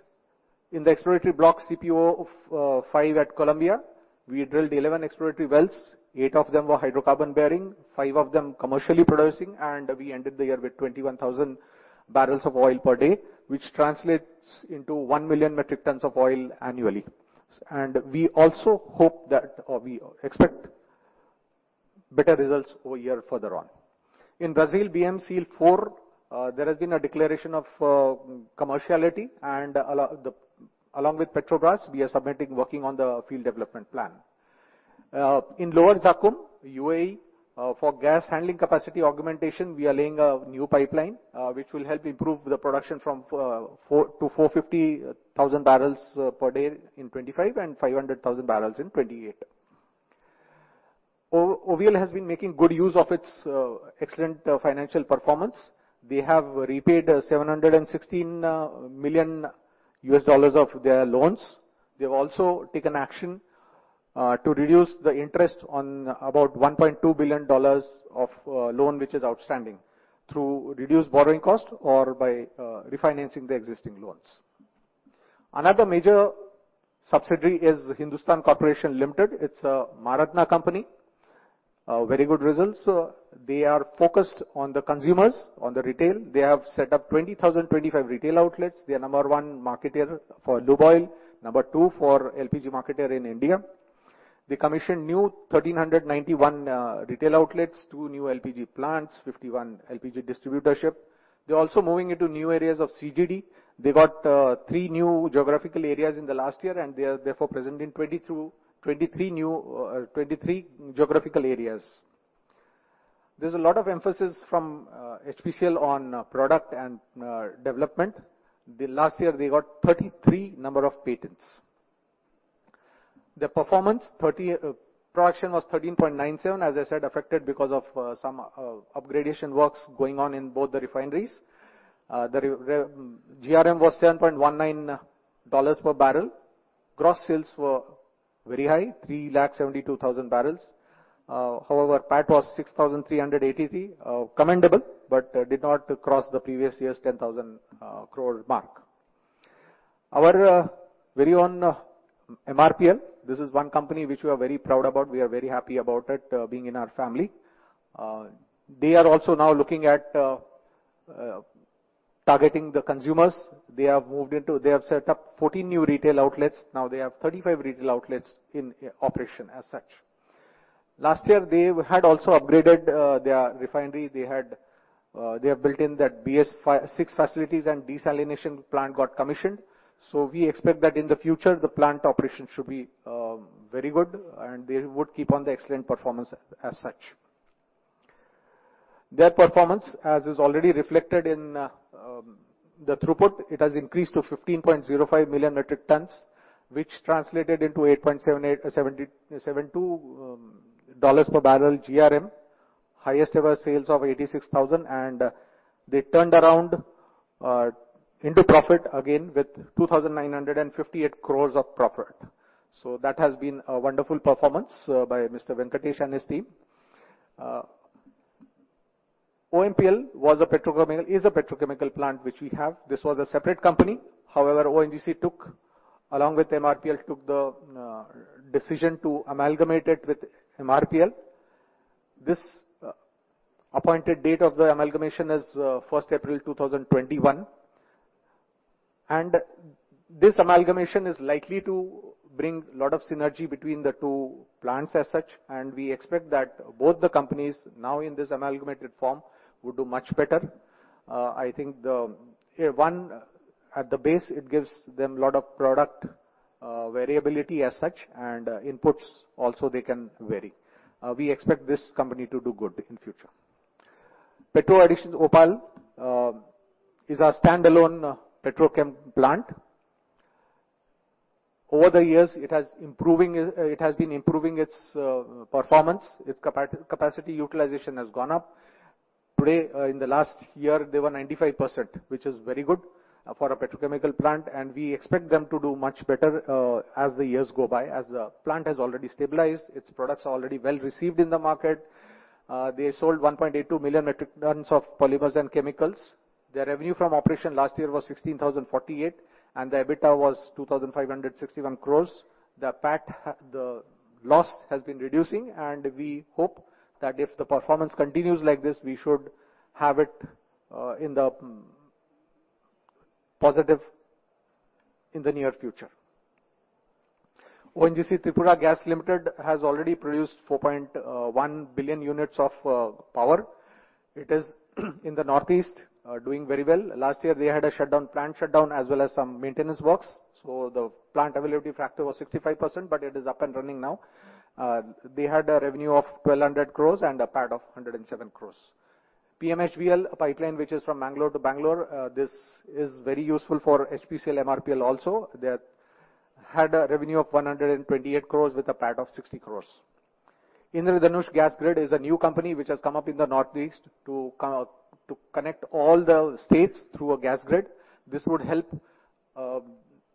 in the exploratory block CPO-5 at Colombia, we drilled 11 exploratory wells. Eight of them were hydrocarbon-bearing, five of them commercially producing, and we ended the year with 21,000 barrels of oil per day, which translates into 1 million metric tons of oil annually. We also hope that, or we expect better results over year further on. In Brazil BM-SEAL-4, there has been a declaration of commerciality and along with Petrobras, we are working on the Field Development Plan. In Lower Zakum, UAE, for gas handling capacity augmentation, we are laying a new pipeline, which will help improve the production from four to 450,000 barrels per day in 2025 and 500,000 barrels in 2028. OVL has been making good use of its excellent financial performance. They have repaid $716 million of their loans. They have also taken action to reduce the interest on about $1.2 billion of loan, which is outstanding, through reduced borrowing cost or by refinancing the existing loans. Another major subsidiary is Hindustan Petroleum Corporation Limited. It's a Marathwada company. Very good results. They are focused on the consumers, on the retail. They have set up 20,025 retail outlets. They are number one marketer for lube oil, number two for LPG marketer in India. They commissioned 1,391 retail outlets, 2 new LPG plants, 51 LPG distributorship. They're also moving into new areas of CGD. They got 3 new geographical areas in the last year, and they are therefore present in 23 geographical areas. There's a lot of emphasis from HPCL on product and development. Last year, they got 33 number of patents. Their throughput was 13.97, as I said, affected because of some upgradation works going on in both the refineries. The GRM was $7.19 per barrel. Gross sales were very high, 3,72,000 barrels. However, PAT was 6,383. Commendable, but did not cross the previous year's 10,000 crore mark. Our very own MRPL, this is one company which we are very proud about. We are very happy about it, being in our family. They are also now looking at targeting the consumers. They have set up 14 new retail outlets. Now they have 35 retail outlets in operation as such. Last year, they had also upgraded their refinery. They have built in that BS-VI facilities and desalination plant got commissioned. We expect that in the future, the plant operation should be very good, and they would keep on the excellent performance as such. Their performance, as is already reflected in the throughput, it has increased to 15.05 million metric tons, which translated into $77.2 per barrel GRM, highest ever sales of 86,000, and they turned around into profit again with 2,958 crore of profit. That has been a wonderful performance by Mr. Venkatesh and his team. OMPL was a petrochemical, is a petrochemical plant which we have. This was a separate company. However, ONGC, along with MRPL, took the decision to amalgamate it with MRPL. This appointed date of the amalgamation is first April 2021. This amalgamation is likely to bring a lot of synergy between the two plants as such. We expect that both the companies now in this amalgamated form will do much better. I think at the base, it gives them a lot of product variability as such, and inputs also they can vary. We expect this company to do good in future. OPaL is our standalone petrochem plant. Over the years, it has been improving its performance. Its capacity utilization has gone up. Today, in the last year, they were 95%, which is very good for a petrochemical plant, and we expect them to do much better as the years go by, as the plant has already stabilized, its products are already well-received in the market. They sold 1.82 million metric tons of polymers and chemicals. Their revenue from operations last year was 16,048 crores, and the EBITDA was 2,561 crores. The PAT, the loss, has been reducing, and we hope that if the performance continues like this, we should have it in the positive in the near future. ONGC Tripura Power Company Limited has already produced 4.1 billion units of power. It is in the Northeast, doing very well. Last year, they had a shutdown, plant shutdown, as well as some maintenance works, so the plant availability factor was 65%, but it is up and running now. They had a revenue of 1,200 crores and a PAT of 107 crores. PMHBL pipeline, which is from Mangalore to Bangalore, this is very useful for HPCL, MRPL also. They had a revenue of 128 crores with a PAT of 60 crores. Indradhanush Gas Grid is a new company which has come up in the Northeast to connect all the states through a gas grid. This would help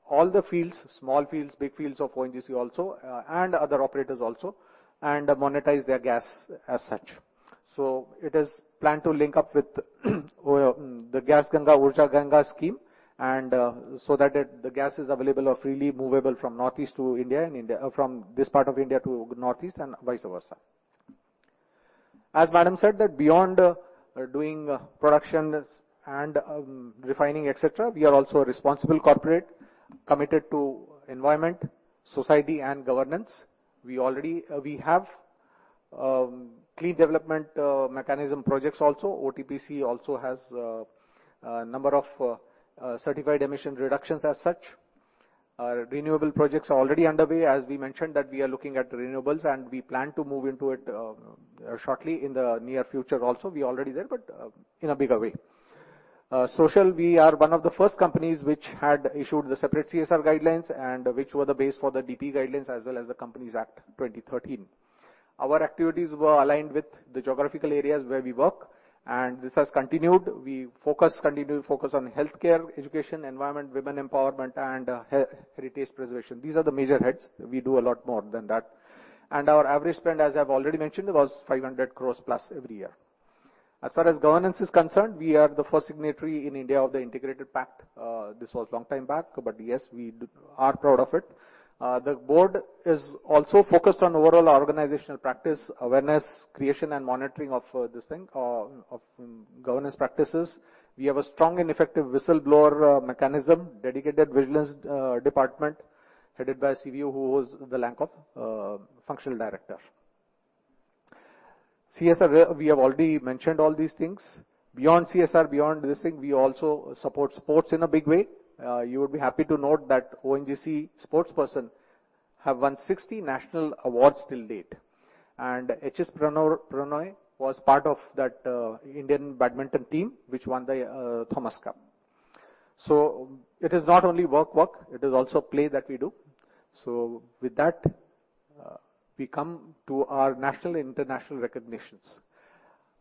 all the fields, small fields, big fields of ONGC also, and other operators also, and monetize their gas as such. It is planned to link up with the Pradhan Mantri Urja Ganga, so that the gas is available or freely movable from Northeast to India and from this part of India to Northeast and vice versa. As madam said that beyond doing productions and refining, et cetera, we are also a responsible corporate committed to environment, society, and governance. We already have clean development mechanism projects also. OTPC also has a number of certified emission reductions as such. Our renewable projects are already underway. As we mentioned, that we are looking at renewables, and we plan to move into it, shortly in the near future also. We are already there, but, in a bigger way. Social, we are one of the first companies which had issued the separate CSR guidelines and which were the base for the DPE guidelines as well as the Companies Act 2013. Our activities were aligned with the geographical areas where we work, and this has continued. We focus, continue to focus on healthcare, education, environment, women empowerment, and, heritage preservation. These are the major heads. We do a lot more than that. Our average spend, as I've already mentioned, was 500 crore plus every year. As far as governance is concerned, we are the first signatory in India of the Integrity Pact. This was long time back, but yes, we are proud of it. The board is also focused on overall organizational practice, awareness, creation, and monitoring of this thing of governance practices. We have a strong and effective whistleblower mechanism, dedicated vigilance department headed by CVO who was the rank of functional director. CSR, we have already mentioned all these things. Beyond CSR, beyond this thing, we also support sports in a big way. You would be happy to note that ONGC sports person have won 60 national awards till date. HS Prannoy was part of that Indian badminton team which won the Thomas Cup. It is not only work, it is also play that we do. With that, we come to our national and international recognitions.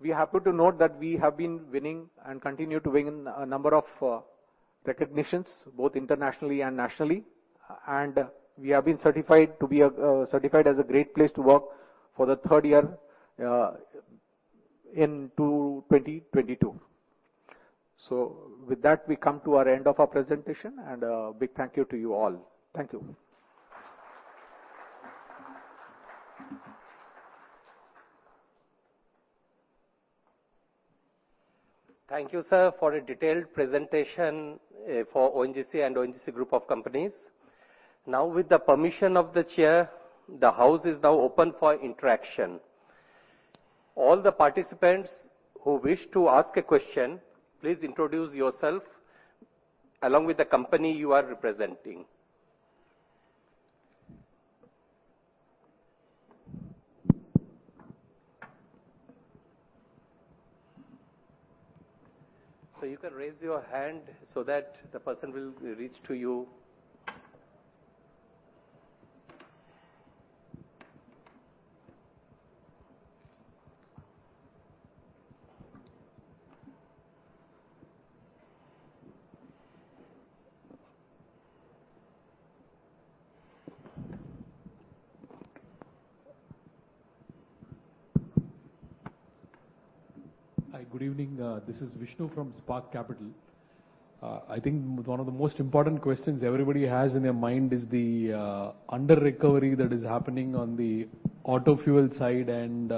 We're happy to note that we have been winning and continue to win a number of recognitions, both internationally and nationally. We have been certified as a great place to work for the third year into 2022. With that, we come to our end of our presentation, and a big thank you to you all. Thank you. Thank you, sir, for a detailed presentation for ONGC and ONGC group of companies. With the permission of the Chair, the house is now open for interaction. All the participants who wish to ask a question, please introduce yourself along with the company you are representing. You can raise your hand so that the person will reach to you. Hi, good evening. This is Vishnu from Spark Capital. I think one of the most important questions everybody has in their mind is the under-recovery that is happening on the auto fuel side and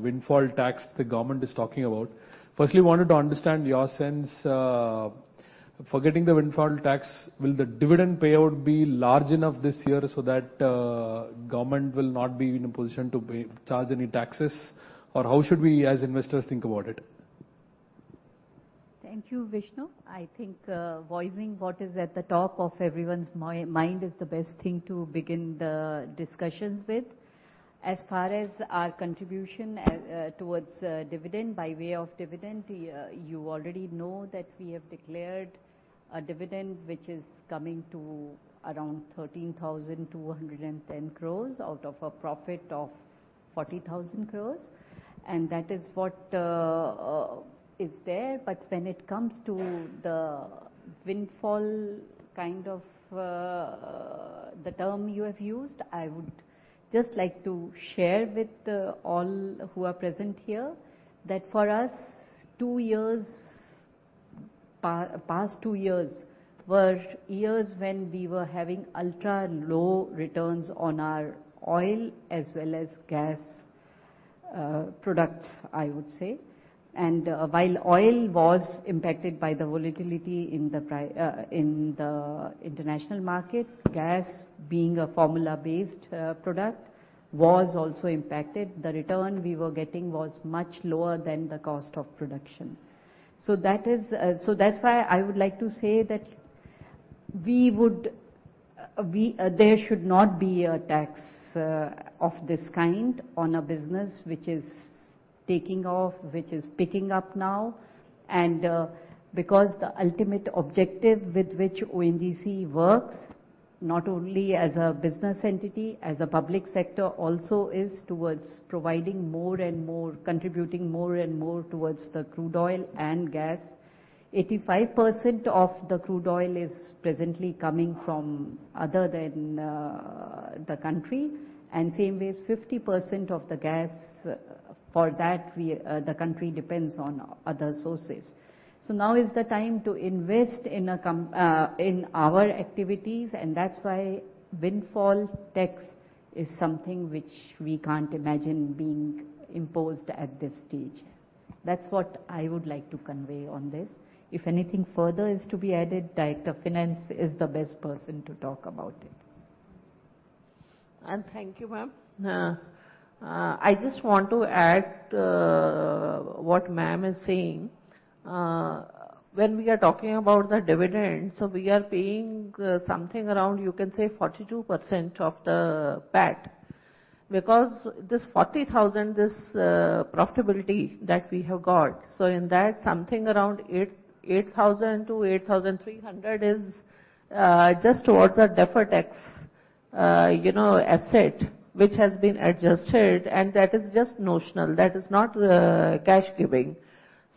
windfall tax the government is talking about. Firstly, wanted to understand your sense, forgetting the windfall tax, will the dividend payout be large enough this year so that government will not be in a position to pay, charge any taxes or how should we, as investors, think about it? Thank you, Vishnu. I think voicing what is at the top of everyone's mind is the best thing to begin the discussions with. As far as our contribution towards dividend, by way of dividend, you already know that we have declared A dividend which is coming to around 13,210 crores out of a profit of 40,000 crores. That is what is there. When it comes to the windfall kind of, the term you have used, I would just like to share with all who are present here that for us, past two years were years when we were having ultra-low returns on our oil as well as gas products, I would say. While oil was impacted by the volatility in the international market, gas being a formula-based product was also impacted. The return we were getting was much lower than the cost of production. That's why I would like to say that there should not be a tax of this kind on a business which is taking off, which is picking up now. Because the ultimate objective with which ONGC works, not only as a business entity, as a public sector also, is towards providing more and more, contributing more and more towards the crude oil and gas. 85% of the crude oil is presently coming from other than the country, and same way, 50% of the gas the country depends on other sources. Now is the time to invest in our activities, and that's why windfall tax is something which we can't imagine being imposed at this stage. That's what I would like to convey on this. If anything further is to be added, Director Finance is the best person to talk about it. Thank you, ma'am. I just want to add what ma'am is saying. When we are talking about the dividends, we are paying something around, you can say 42% of the PAT, because this 40,000 profitability that we have got, so in that something around 8,000 to 8,300 is just towards our deferred tax you know asset which has been adjusted, and that is just notional. That is not cash giving.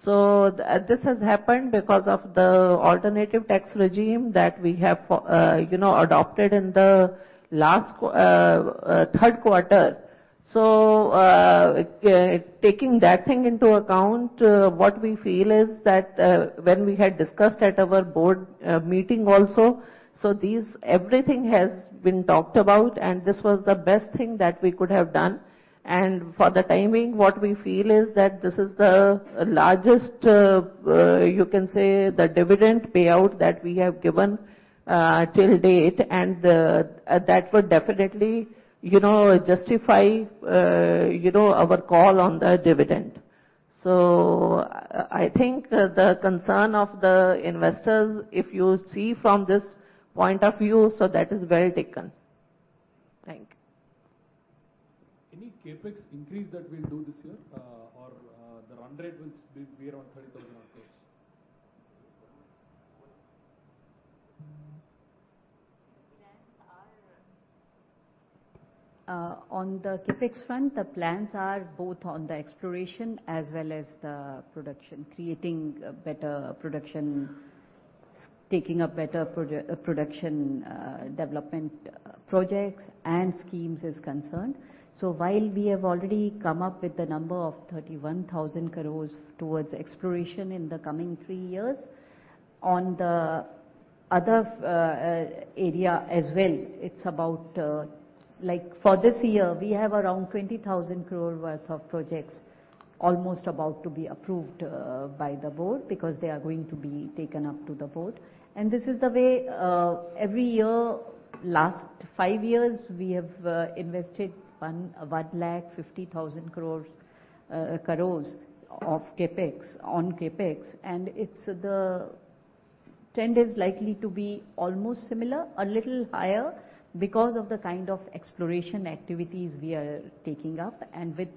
This has happened because of the alternative tax regime that we have you know adopted in the last third quarter. Taking that thing into account, what we feel is that when we had discussed at our board meeting also, everything has been talked about and this was the best thing that we could have done. For the timing, what we feel is that this is the largest, you can say, the dividend payout that we have given till date, and that would definitely, you know, justify, you know, our call on the dividend. I think the concern of the investors, if you see from this point of view, that is well taken. Thank you. Any CapEx increase that we'll do this year, the run rate will be around 30,000 on CapEx. On the CapEx front, the plans are both on the exploration as well as the production, creating better production development projects and schemes is concerned. While we have already come up with the number of 31,000 crore towards exploration in the coming three years, on the other area as well, it's about like for this year we have around 20,000 crore worth of projects almost about to be approved by the board because they are going to be taken up to the board. This is the way every year, last five years, we have invested one lakh fifty thousand crores of CapEx on CapEx. The trend is likely to be almost similar, a little higher because of the kind of exploration activities we are taking up. With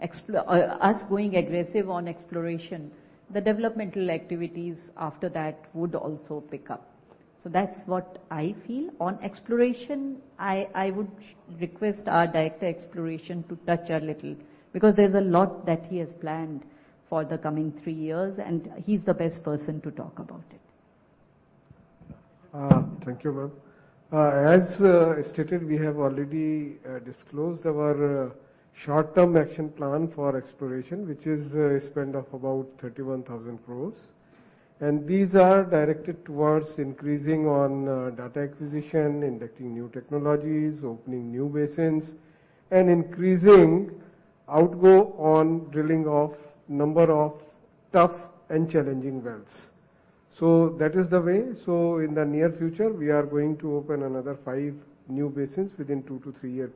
us going aggressive on exploration, the developmental activities after that would also pick up. That's what I feel. On exploration, I would request our Director Exploration to touch a little, because there's a lot that he has planned for the coming three years, and he's the best person to talk about it. Thank you, ma'am. As stated, we have already disclosed our short-term action plan for exploration, which is a spend of about 31,000 crores. These are directed towards increasing on data acquisition, inducting new technologies, opening new basins, and increasing outgo on drilling of number of tough and challenging wells. That is the way. In the near future, we are going to open another 5 new basins within 2- to 3-year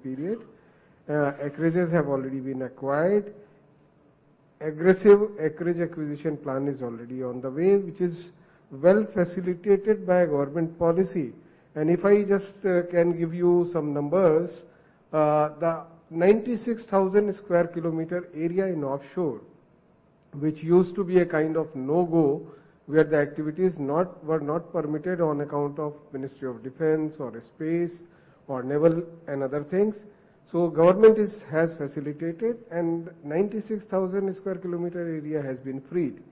period. Acreages have already been acquired. Aggressive acreage acquisition plan is already on the way, which is well facilitated by government policy. If I just can give you some numbers, the 96,000 sq km area in offshore, which used to be a kind of no-go, where the activities were not permitted on account of Ministry of Defense or Space or Naval and other things. Government has facilitated, and 96,000 sq km area has been freed.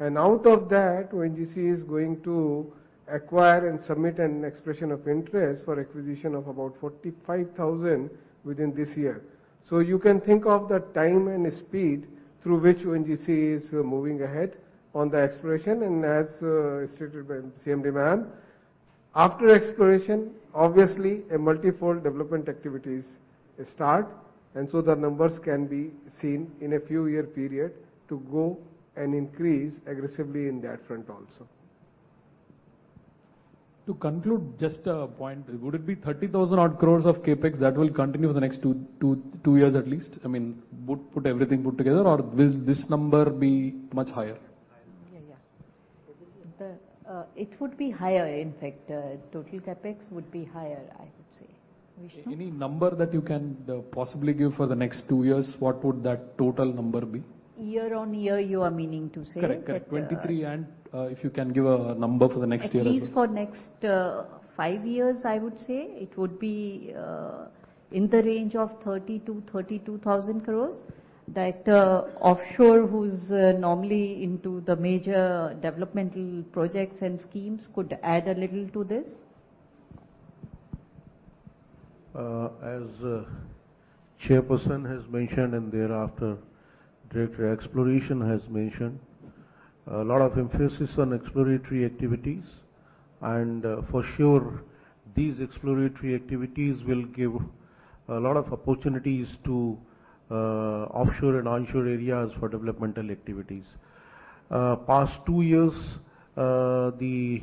Out of that, ONGC is going to acquire and submit an expression of interest for acquisition of about 45,000 within this year. You can think of the time and speed through which ONGC is moving ahead on the exploration. As stated by CMD ma'am, after exploration, obviously, a multi-fold development activities start, and so the numbers can be seen in a few year period to go and increase aggressively in that front also. To conclude, just a point. Would it be 30,000-odd crore of CapEx that will continue for the next two years at least? I mean, would put everything together, or will this number be much higher? Higher. Yeah. It would be higher, in fact. Total CapEx would be higher, I would say. Vishnu? Any number that you can, possibly give for the next two years, what would that total number be? Year on year, you are meaning to say? Correct. But, uh- 23, if you can give a number for the next year as well? At least for next 5 years, I would say it would be in the range of 30,000 crore-32,000 crore. That offshore, which is normally into the major developmental projects and schemes could add a little to this. As chairperson has mentioned and thereafter director exploration has mentioned, a lot of emphasis on exploratory activities. For sure, these exploratory activities will give a lot of opportunities to offshore and onshore areas for developmental activities. Past 2 years, the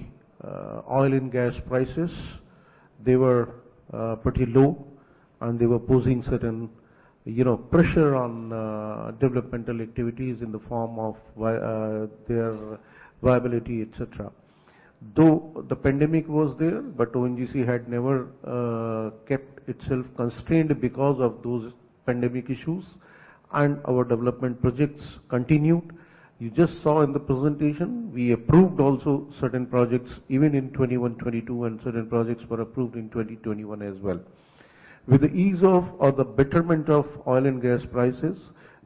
oil and gas prices, they were pretty low, and they were posing certain, you know, pressure on developmental activities in the form of their viability, et cetera. Though the pandemic was there, but ONGC had never kept itself constrained because of those pandemic issues, and our development projects continued. You just saw in the presentation, we approved also certain projects, even in 2021, 2022, and certain projects were approved in 2021 as well. With the ease of or the betterment of oil and gas prices,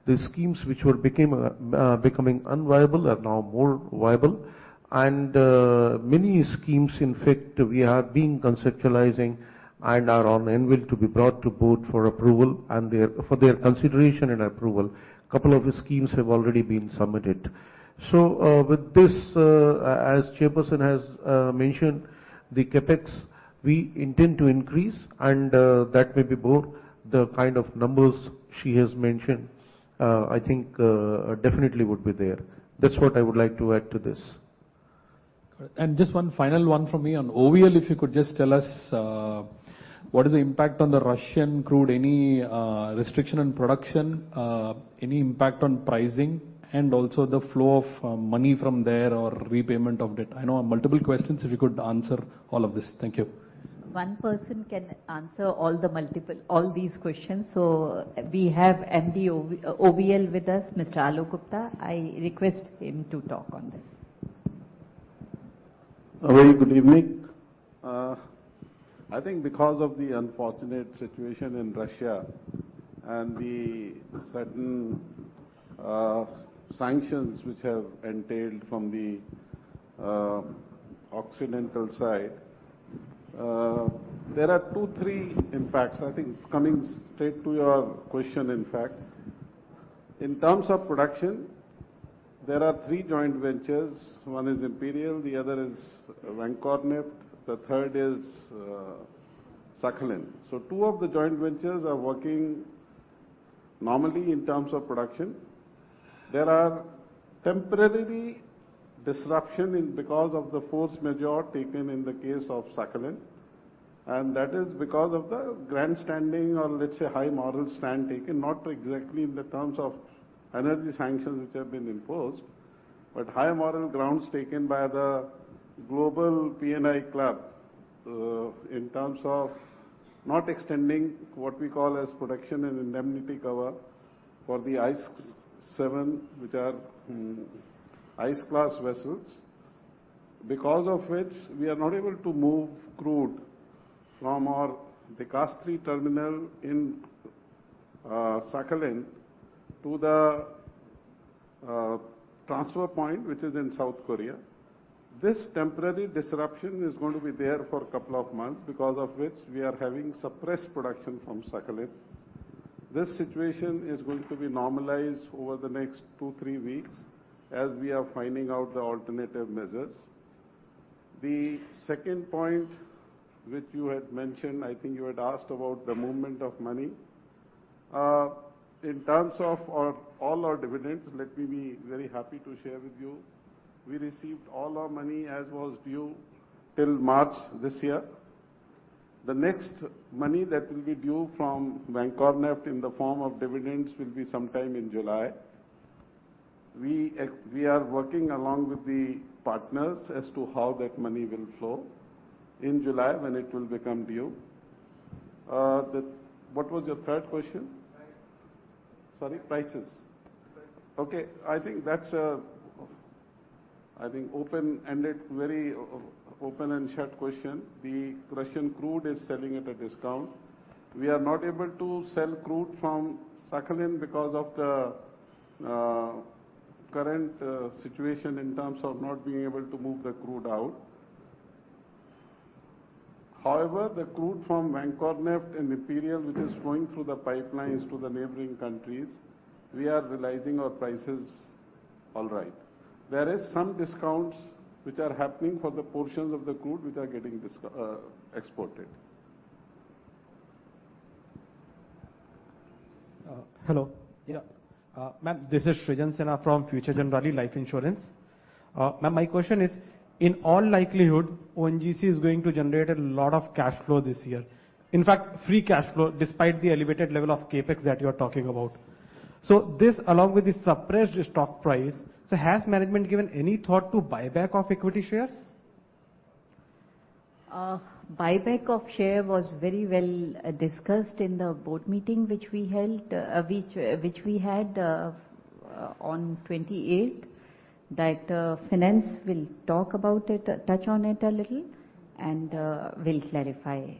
the schemes which were becoming unviable are now more viable. Many schemes, in fact, we have been conceptualizing and are on anvil to be brought to board for approval and for their consideration and approval. Couple of schemes have already been submitted. With this, as chairperson has mentioned, the CapEx, we intend to increase and that may be more the kind of numbers she has mentioned, I think, definitely would be there. That's what I would like to add to this. Just one final one from me. On OVL, if you could just tell us, what is the impact on the Russian crude? Any restriction on production, any impact on pricing, and also the flow of money from there or repayment of debt? I know multiple questions. If you could answer all of this. Thank you. One person can answer all these questions. We have MD OVL with us, Mr. Alok Gupta. I request him to talk on this. A very good evening. I think because of the unfortunate situation in Russia and the certain sanctions which have entailed from the Occidental side, there are 2-3 impacts. I think coming straight to your question, in fact. In terms of production, there are three joint ventures. One is Imperial, the other is Vankorneft, the third is Sakhalin. Two of the joint ventures are working normally in terms of production. There are temporary disruptions because of the force majeure taken in the case of Sakhalin, and that is because of the grandstanding or, let's say, high moral stand taken, not exactly in the terms of energy sanctions which have been imposed, but high moral grounds taken by the global P&I club in terms of not extending what we call as protection and indemnity cover for the ice class, which are ice class vessels. Because of which, we are not able to move crude from our De-Kastri terminal in Sakhalin to the transfer point, which is in South Korea. This temporary disruption is going to be there for a couple of months, because of which we are having suppressed production from Sakhalin. This situation is going to be normalized over the next two, three weeks as we are finding out the alternative measures. The second point which you had mentioned, I think you had asked about the movement of money. In terms of all our dividends, let me be very happy to share with you, we received all our money as was due till March this year. The next money that will be due from Vankorneft in the form of dividends will be sometime in July. We are working along with the partners as to how that money will flow in July when it will become due. What was your third question? Prices. Sorry, prices. Prices. I think that's an open-ended, very open-ended question. The Russian crude is selling at a discount. We are not able to sell crude from Sakhalin because of the current situation in terms of not being able to move the crude out. However, the crude from Vankorneft and Imperial Energy, which is flowing through the pipelines to the neighboring countries, we are realizing our prices all right. There is some discounts which are happening for the portions of the crude which are getting exported. Hello. Yeah. Ma'am, this is Srijan Sinha from Future Generali India Life Insurance. Ma'am, my question is, in all likelihood, ONGC is going to generate a lot of cash flow this year. In fact, free cash flow despite the elevated level of CapEx that you are talking about. This, along with the suppressed stock price, has management given any thought to buyback of equity shares? Buyback of share was very well discussed in the board meeting which we had on 28th. Director Finance will talk about it, touch on it a little, and will clarify.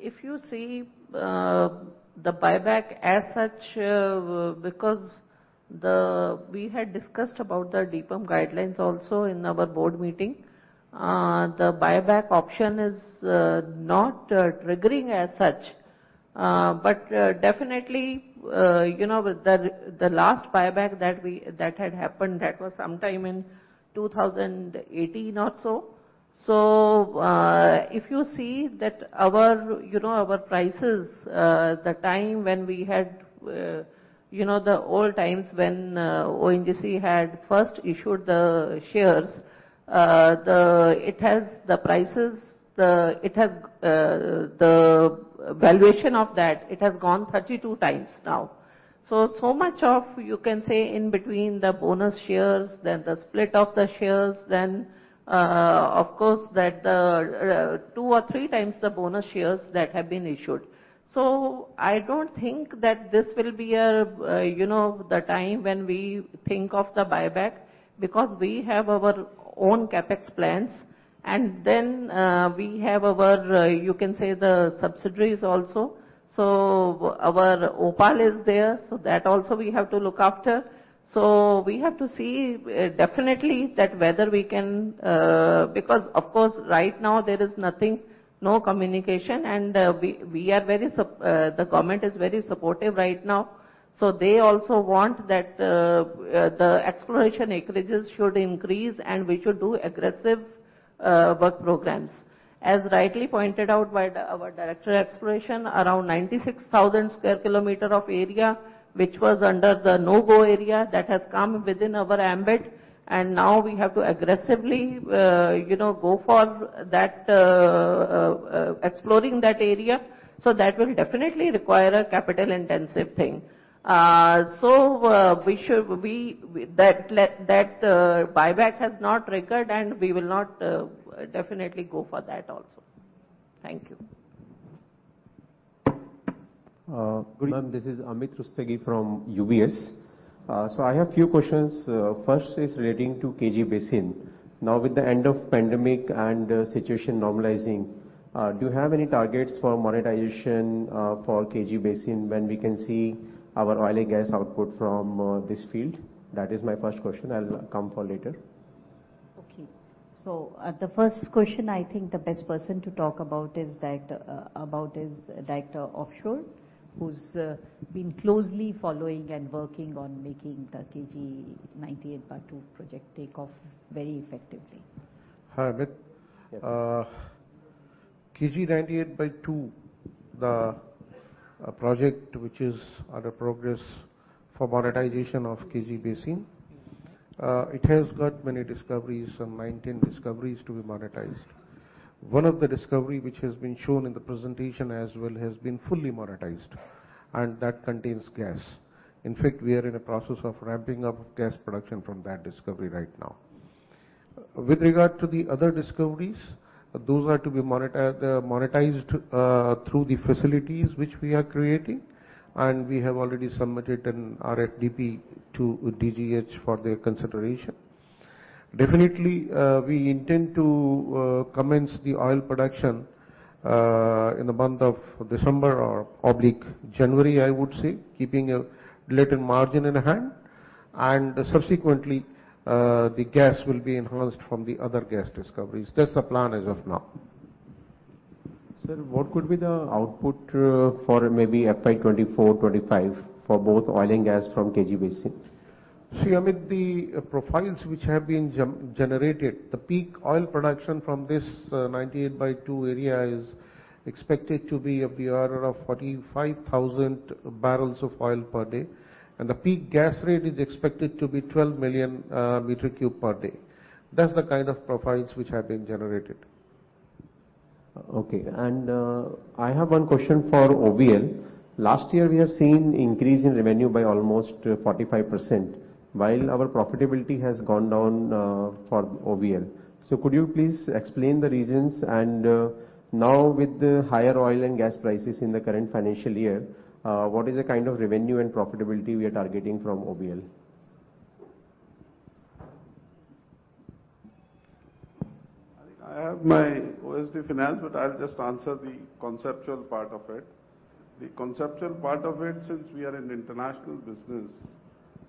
If you see the buyback as such, because we had discussed about the DIPAM guidelines also in our board meeting. The buyback option is not triggering as such. But definitely, you know, the last buyback that had happened was sometime in 2018 or so. If you see that our, you know, our prices the time when we had, you know, the old times when ONGC had first issued the shares, it has the prices, the valuation of that has gone 32 times now. So much of, you know, you can say in between the bonus shares, then the split of the shares, then of course that two or three times the bonus shares that have been issued. I don't think that this will be, you know, the time when we think of the buyback, because we have our own CapEx plans and then we have our, you can say, the subsidiaries also. Our OPaL is there, so that also we have to look after. We have to see definitely that whether we can. Because, of course, right now there is nothing, no communication and the government is very supportive right now. They also want that the exploration acreages should increase and we should do aggressive work programs. As rightly pointed out by our Director of Exploration, around 96,000 sq km of area which was under the no-go area, that has come within our ambit and now we have to aggressively, you know, go for that, exploring that area. That will definitely require a capital-intensive thing. Buyback has not triggered, and we will not definitely go for that also. Thank you. Good evening. This is Amit Rustagi from UBS. I have a few questions. First is relating to KG Basin. Now with the end of pandemic and situation normalizing, do you have any targets for monetization for KG Basin when we can see our oil and gas output from this field? That is my first question. I'll come for later. Okay. The first question, I think the best person to talk about is Director Offshore, who's been closely following and working on making the KG 98/2 project take off very effectively. Hi, Amit. Yes. KG 98/2, the project which is under progress for monetization of KG Basin. Mm-hmm. It has got many discoveries, some 19 discoveries to be monetized. One of the discovery, which has been shown in the presentation as well, has been fully monetized, and that contains gas. In fact, we are in a process of ramping up gas production from that discovery right now. With regard to the other discoveries, those are to be monetized through the facilities which we are creating, and we have already submitted an RFDP to DGH for their consideration. Definitely, we intend to commence the oil production in the month of December or January, I would say, keeping a little margin in hand. Subsequently, the gas will be enhanced from the other gas discoveries. That's the plan as of now. Sir, what could be the output for maybe FY 2024-2025 for both oil and gas from KG Basin? See, Amit, the profiles which have been generated, the peak oil production from this 98/2 area is expected to be of the order of 45,000 barrels of oil per day, and the peak gas rate is expected to be 12 million cubic meters per day. That's the kind of profiles which have been generated. Okay. I have one question for OVL. Last year, we have seen increase in revenue by almost 45%, while our profitability has gone down for OVL. Could you please explain the reasons, and now with the higher oil and gas prices in the current financial year, what is the kind of revenue and profitability we are targeting from OVL? I think I have my OSD Finance, but I'll just answer the conceptual part of it. Since we are an international business,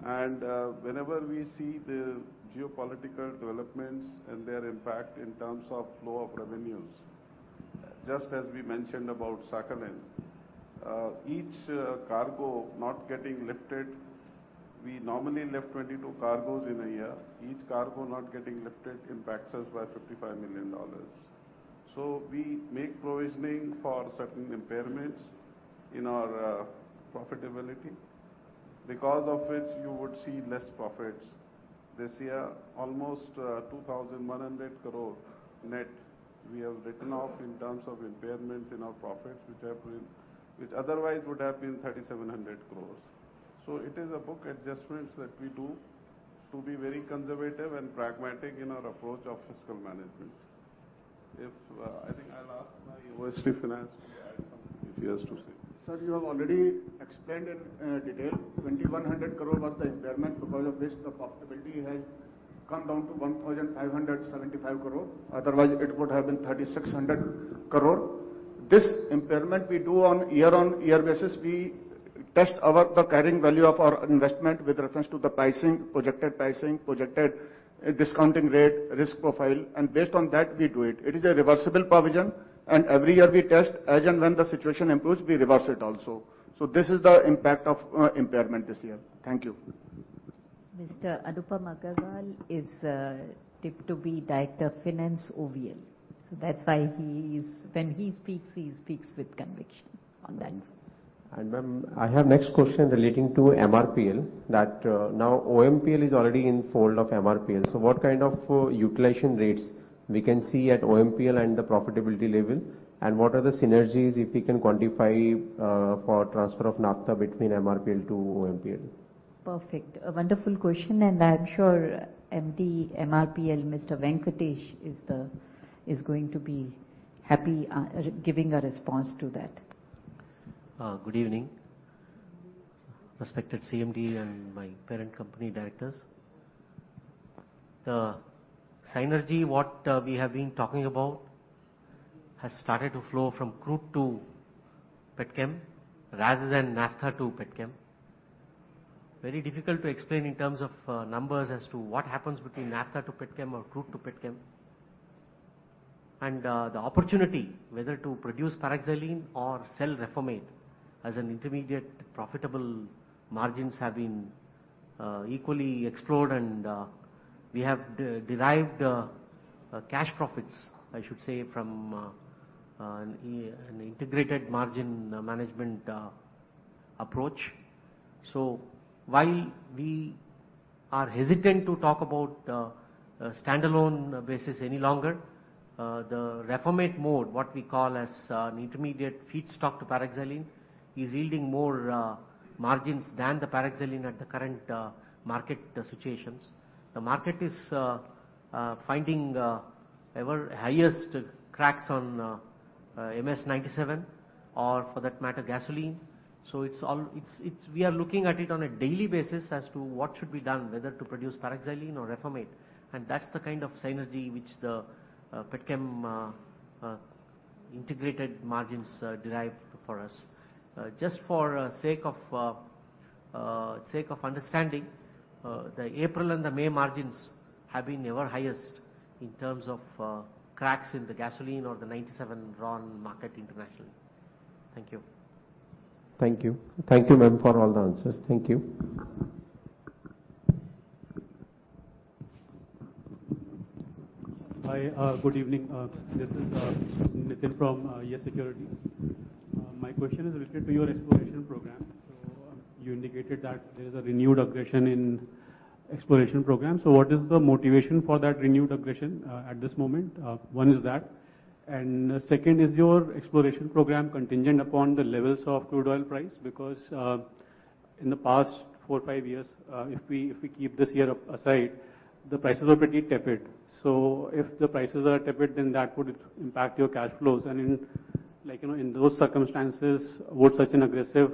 and whenever we see the geopolitical developments and their impact in terms of flow of revenues, just as we mentioned about Sakhalin, each cargo not getting lifted. We normally lift 22 cargos in a year. Each cargo not getting lifted impacts us by $55 million. We make provisioning for certain impairments in our profitability, because of which you would see less profits. This year, almost 2,100 crore net we have written off in terms of impairments in our profits, which otherwise would have been 3,700 crores. It is a book adjustments that we do to be very conservative and pragmatic in our approach of fiscal management. I think I'll ask my OSD Finance to add something if he has to say. Sir, you have already explained in detail. 2,100 crore was the impairment. Because of this, the profitability has come down to 1,575 crore. Otherwise, it would have been 3,600 crore. This impairment we do on year-on-year basis. We test the carrying value of our investment with reference to the pricing, projected pricing, projected discounting rate, risk profile, and based on that, we do it. It is a reversible provision, and every year we test. As and when the situation improves, we reverse it also. This is the impact of impairment this year. Thank you. Mr. Anupam Agarwal is tipped to be Director Finance OVL, so that's why he speaks with conviction on that. Ma'am, I have next question relating to MRPL, that now OMPL is already in fold of MRPL, so what kind of utilization rates we can see at OMPL and the profitability level? What are the synergies, if we can quantify, for transfer of naphtha between MRPL to OMPL? Perfect. A wonderful question, and I am sure MD MRPL, Mr. M. Venkatesh, is going to be happy giving a response to that. Good evening, respected CMD and my parent company directors. The synergy what we have been talking about has started to flow from crude to petchem, rather than naphtha to petchem. Very difficult to explain in terms of numbers as to what happens between naphtha to petchem or crude to petchem. The opportunity whether to produce paraxylene or sell reformate as an intermediate profitable margins have been equally explored and we have derived cash profits, I should say, from an integrated margin management approach. While we are hesitant to talk about a standalone basis any longer, the reformate mode, what we call as an intermediate feedstock to paraxylene, is yielding more margins than the paraxylene at the current market situations. The market is finding ever highest cracks on MS 97 or, for that matter, gasoline. We are looking at it on a daily basis as to what should be done, whether to produce paraxylene or reformate, and that's the kind of synergy which the petchem integrated margins derive for us. Just for the sake of understanding, the April and the May margins have been ever highest in terms of cracks in the gasoline or the 97 RON market internationally. Thank you. Thank you. Thank you, ma'am, for all the answers. Thank you. Hi. Good evening. This is Nitin from YES Securities. My question is related to your exploration program. You indicated that there is a renewed aggression in exploration program. What is the motivation for that renewed aggression at this moment? One is that. Second, is your exploration program contingent upon the levels of crude oil price? Because in the past four, five years, if we keep this year aside, the prices are pretty tepid. If the prices are tepid, then that would impact your cash flows. Like, you know, in those circumstances, would such an aggressive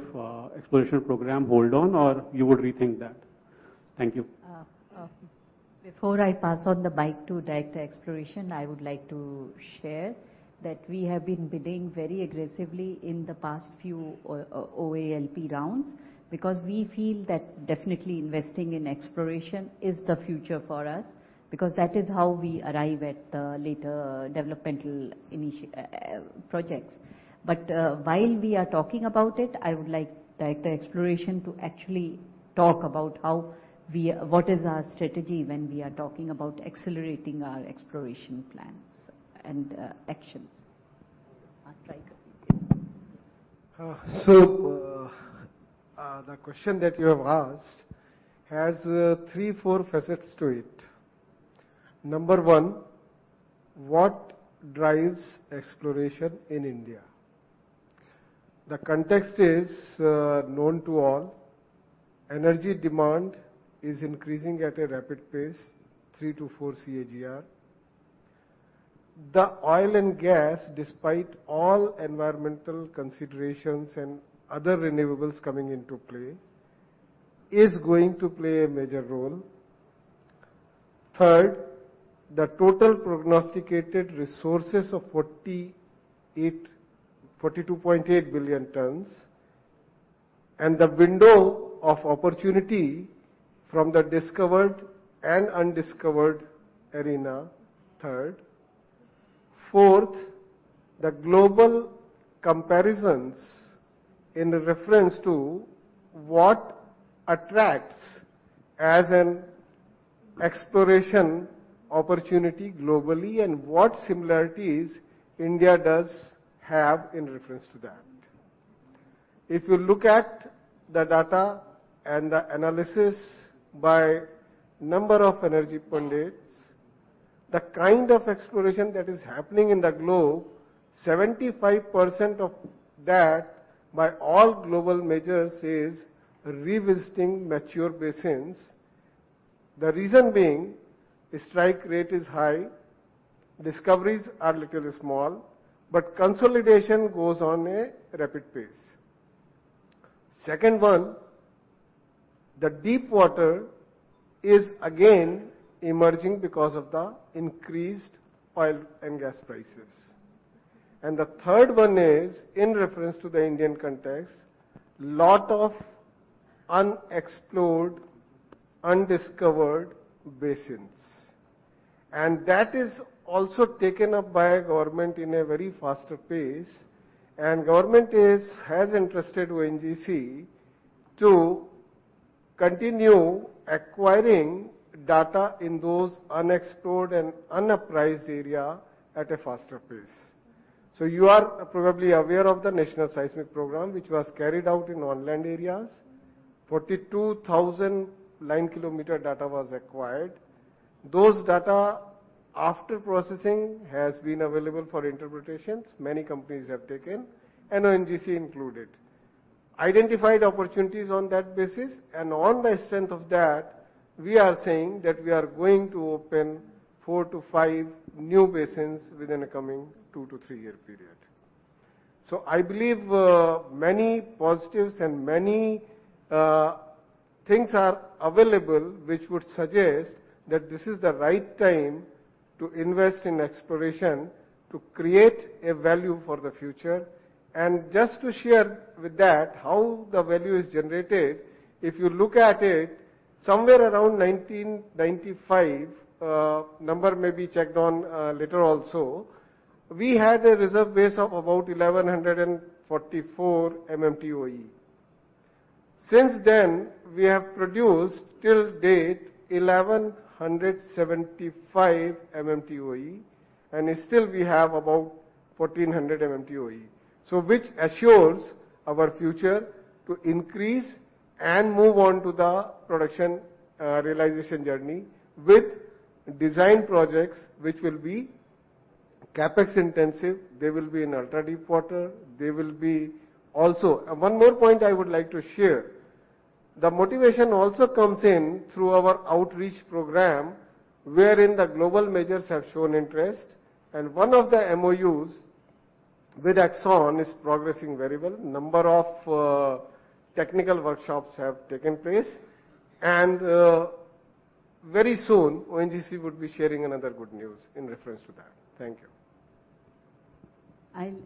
exploration program hold on, or you would rethink that? Thank you. Before I pass on the mic to Director Exploration, I would like to share that we have been bidding very aggressively in the past few OALP rounds because we feel that definitely investing in exploration is the future for us, because that is how we arrive at later developmental projects. While we are talking about it, I would like Director Exploration to actually talk about what is our strategy when we are talking about accelerating our exploration plans and actions. The question that you have asked has three, four facets to it. Number one, what drives exploration in India? The context is known to all. Energy demand is increasing at a rapid pace, 3%-4% CAGR. The oil and gas, despite all environmental considerations and other renewables coming into play, is going to play a major role. Third, the total prognosticated resources of 42.8 billion tons, and the window of opportunity from the discovered and undiscovered arena, third. Fourth, the global comparisons in reference to what attracts as an exploration opportunity globally and what similarities India does have in reference to that. If you look at the data and the analysis by number of energy pundits, the kind of exploration that is happening in the globe, 75% of that by all global measures is revisiting mature basins. The reason being strike rate is high, discoveries are little small, but consolidation goes on a rapid pace. Second one, the deep water is again emerging because of the increased oil and gas prices. The third one is, in reference to the Indian context, lot of unexplored, undiscovered basins. That is also taken up by our government in a very faster pace, and government has entrusted ONGC to continue acquiring data in those unexplored and unappraised area at a faster pace. You are probably aware of the National Seismic Program, which was carried out in onland areas. 42,009 kilometer data was acquired. Those data, after processing, has been available for interpretations, many companies have taken, and ONGC included. Identified opportunities on that basis, and on the strength of that, we are saying that we are going to open 4-5 new basins within a coming 2-3-year period. I believe, many positives and many things are available which would suggest that this is the right time to invest in exploration to create a value for the future. Just to share with that how the value is generated, if you look at it, somewhere around 1995, number may be checked on, later also, we had a reserve base of about 1,144 MMTOE. Since then, we have produced till date 1,175 MMTOE, and still we have about 1,400 MMTOE. Which assures our future to increase and move on to the production, realization journey with design projects which will be CapEx intensive. They will be in ultra-deep water. They will be also. One more point I would like to share. The motivation also comes in through our outreach program, wherein the global majors have shown interest, and one of the MOUs with ExxonMobil is progressing very well. Number of technical workshops have taken place, and very soon, ONGC would be sharing another good news in reference to that. Thank you.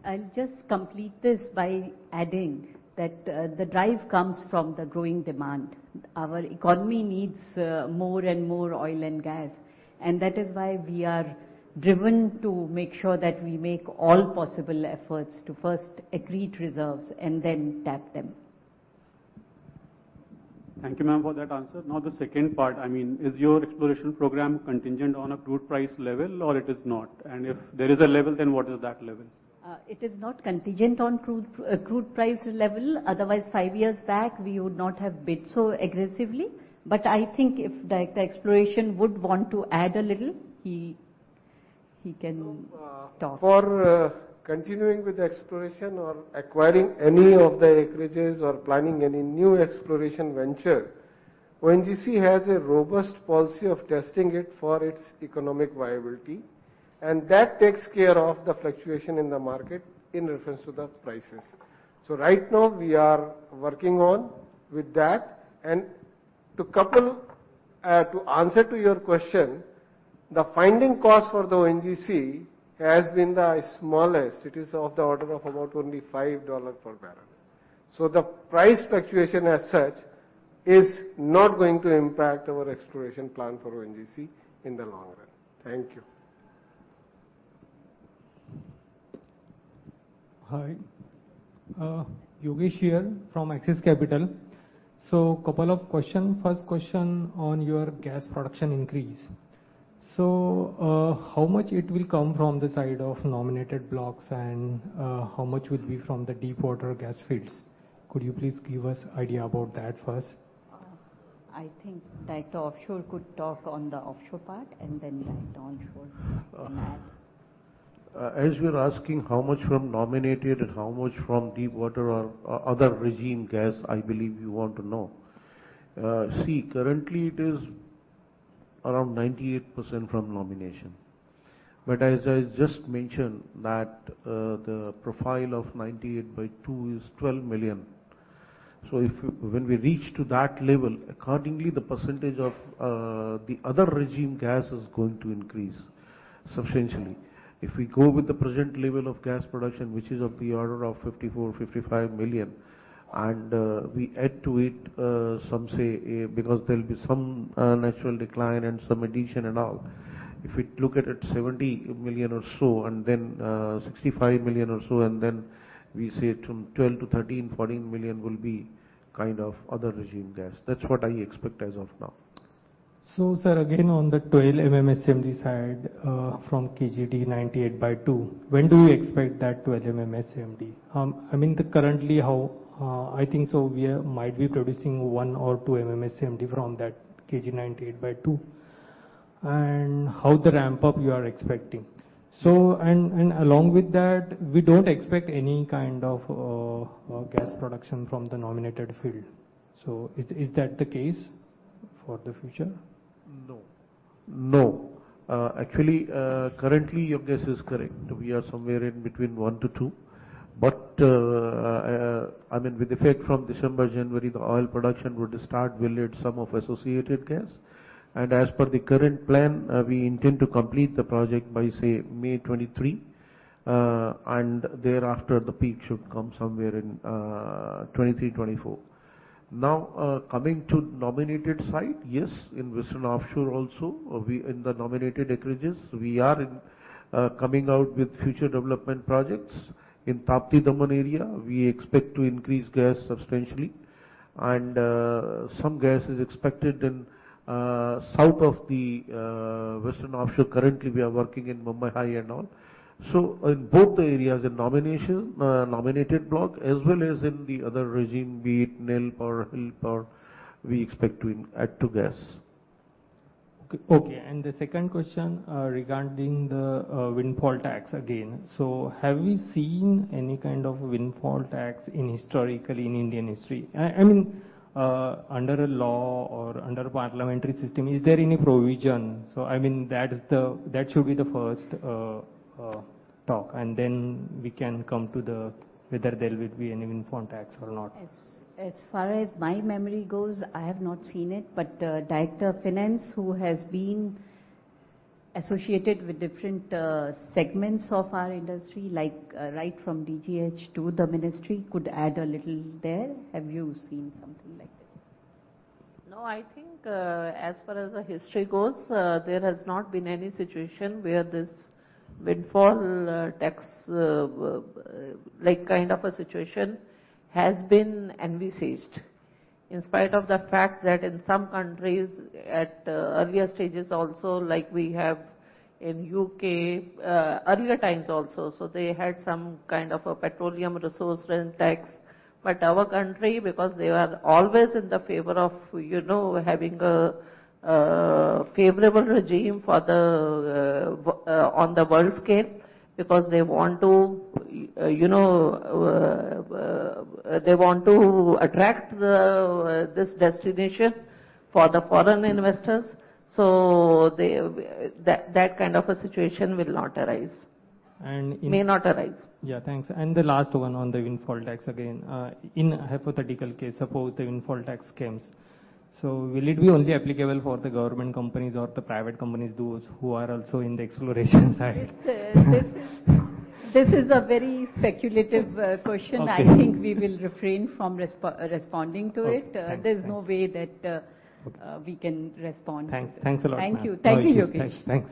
I'll just complete this by adding that, the drive comes from the growing demand. Our economy needs more and more oil and gas, and that is why we are driven to make sure that we make all possible efforts to first accrete reserves and then tap them. Thank you, ma'am, for that answer. Now the second part, I mean, is your exploration program contingent on a crude price level, or it is not? If there is a level, then what is that level? It is not contingent on crude price level. Otherwise, five years back, we would not have bid so aggressively. I think if Director Exploration would want to add a little, he can talk. For continuing with the exploration or acquiring any of the acreages or planning any new exploration venture, ONGC has a robust policy of testing it for its economic viability, and that takes care of the fluctuation in the market in reference to the prices. Right now we are working on with that. To answer to your question, the finding cost for the ONGC has been the smallest. It is of the order of about only $5 per barrel. The price fluctuation as such is not going to impact our exploration plan for ONGC in the long run. Thank you. Hi. Yogesh here from Axis Capital. Couple of question. First question on your gas production increase. How much it will come from the side of nominated blocks and how much will be from the deepwater gas fields? Could you please give us idea about that first? I think Director Offshore could talk on the offshore part, and then Director Onshore can add. As you're asking how much from nominated and how much from deepwater or other regime gas, I believe you want to know. See, currently it is around 98% from nomination. As I just mentioned that, the profile of 98 by 2 is 12 million. If when we reach to that level, accordingly, the percentage of the other regime gas is going to increase substantially. If we go with the present level of gas production, which is of the order of 54-55 million, and we add to it, some, say, because there'll be some natural decline and some addition and all, if we look at it, 70 million or so, and then 65 million or so, and then we say 12-14 million will be kind of other regime gas. That's what I expect as of now. Sir, again, on the 12 MMSY side, from KG-D 98/2, when do you expect that 12 MMSY? I mean the currently how, I think we might be producing 1 or 2 MMSY from that KG-D 98/2. How the ramp-up you are expecting? Along with that, we don't expect any kind of gas production from the nominated field. Is that the case for the future? No. Actually, currently, your guess is correct. We are somewhere in between 1-2. I mean, with effect from December, January, the oil production would start with some of associated gas. As per the current plan, we intend to complete the project by, say, May 2023. Thereafter, the peak should come somewhere in 2023-2024. Now, coming to nominated site. Yes, in Western Offshore also, in the nominated acreages, we are coming out with future development projects. In Tapti Daman area, we expect to increase gas substantially, and some gas is expected in south of the Western Offshore. Currently, we are working in Mumbai High and all. In both the areas, in nomination, nominated block as well as in the other regime, be it NELP or HELP or, we expect to add to gas. Okay. The second question regarding the windfall tax again. Have we seen any kind of windfall tax historically in Indian history? I mean under a law or under parliamentary system, is there any provision? I mean that should be the first talk, and then we can come to the whether there will be any windfall tax or not. As far as my memory goes, I have not seen it, but Director Finance, who has been associated with different segments of our industry like right from DGH to the ministry could add a little there. Have you seen something like this? No, I think, as far as the history goes, there has not been any situation where this windfall tax, like, kind of a situation has been envisaged, in spite of the fact that in some countries at earlier stages also like we have in U.K., earlier times also, so they had some kind of a Petroleum Resource Rent Tax. Our country, because they were always in the favor of, you know, having a favorable regime for the on the world scale because they want to, you know, they want to attract this destination for the foreign investors, so they that kind of a situation will not arise. And in- May not arise. Yeah. Thanks. The last one on the windfall tax again. In a hypothetical case, suppose the windfall tax comes. Will it be only applicable for the government companies or the private companies, those who are also in the exploration side? This is a very speculative question. Okay. I think we will refrain from responding to it. Okay. Thank you. There's no way that. Okay. We can respond to it. Thanks. Thanks a lot, ma'am. Thank you. Thank you, Yogesh. Thanks.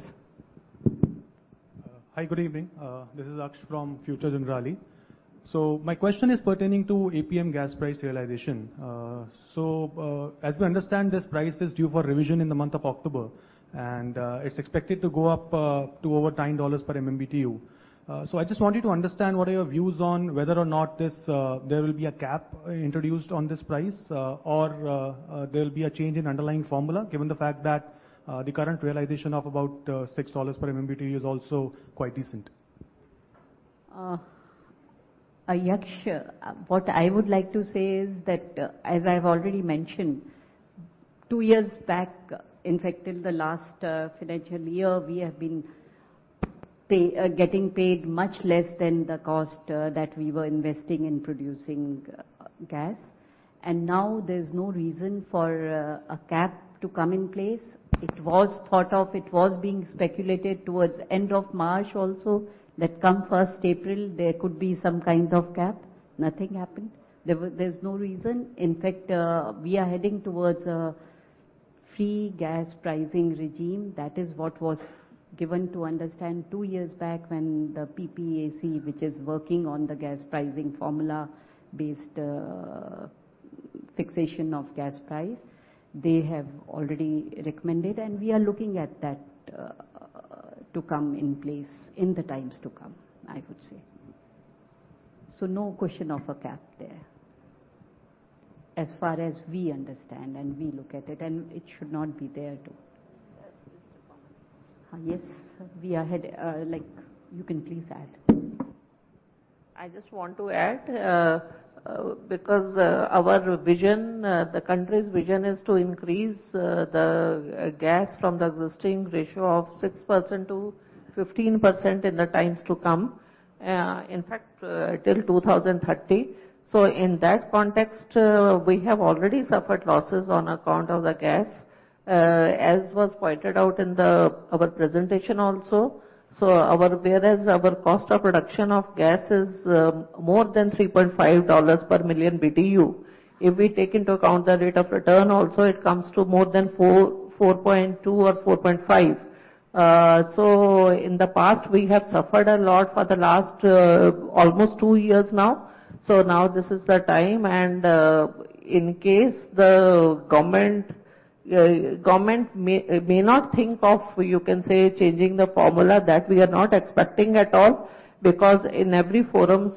Hi, good evening. This is Aksh from Future Generali. My question is pertaining to APM gas price realization. As we understand, this price is due for revision in the month of October, and it's expected to go up to over $10 per MMBTU. I just want you to understand what are your views on whether or not there will be a cap introduced on this price, or there'll be a change in underlying formula, given the fact that the current realization of about $6 per MMBTU is also quite decent. Aksh, what I would like to say is that, as I've already mentioned, two years back, in fact, till the last financial year, we have been getting paid much less than the cost that we were investing in producing gas. Now there's no reason for a cap to come in place. It was thought of, it was being speculated towards end of March also that come first April, there could be some kind of cap. Nothing happened. There's no reason. In fact, we are heading towards a free gas pricing regime. That is what was given to understand two years back when the PPAC, which is working on the gas pricing formula based fixation of gas price. They have already recommended, and we are looking at that to come in place in the times to come, I would say. No question of a cap there, as far as we understand and we look at it, and it should not be there too. Yes, just a comment. Yes. We are head, like you can please add. I just want to add, because our vision, the country's vision is to increase the gas from the existing ratio of 6% to 15% in the times to come, in fact, till 2030. In that context, we have already suffered losses on account of the gas, as was pointed out in our presentation also. Whereas our cost of production of gas is more than $3.5 per million BTU. If we take into account the rate of return also, it comes to more than $4.2 or $4.5. In the past, we have suffered a lot for the last almost two years now. Now this is the time and, in case the government may not think of, you can say, changing the formula that we are not expecting at all, because in every forum,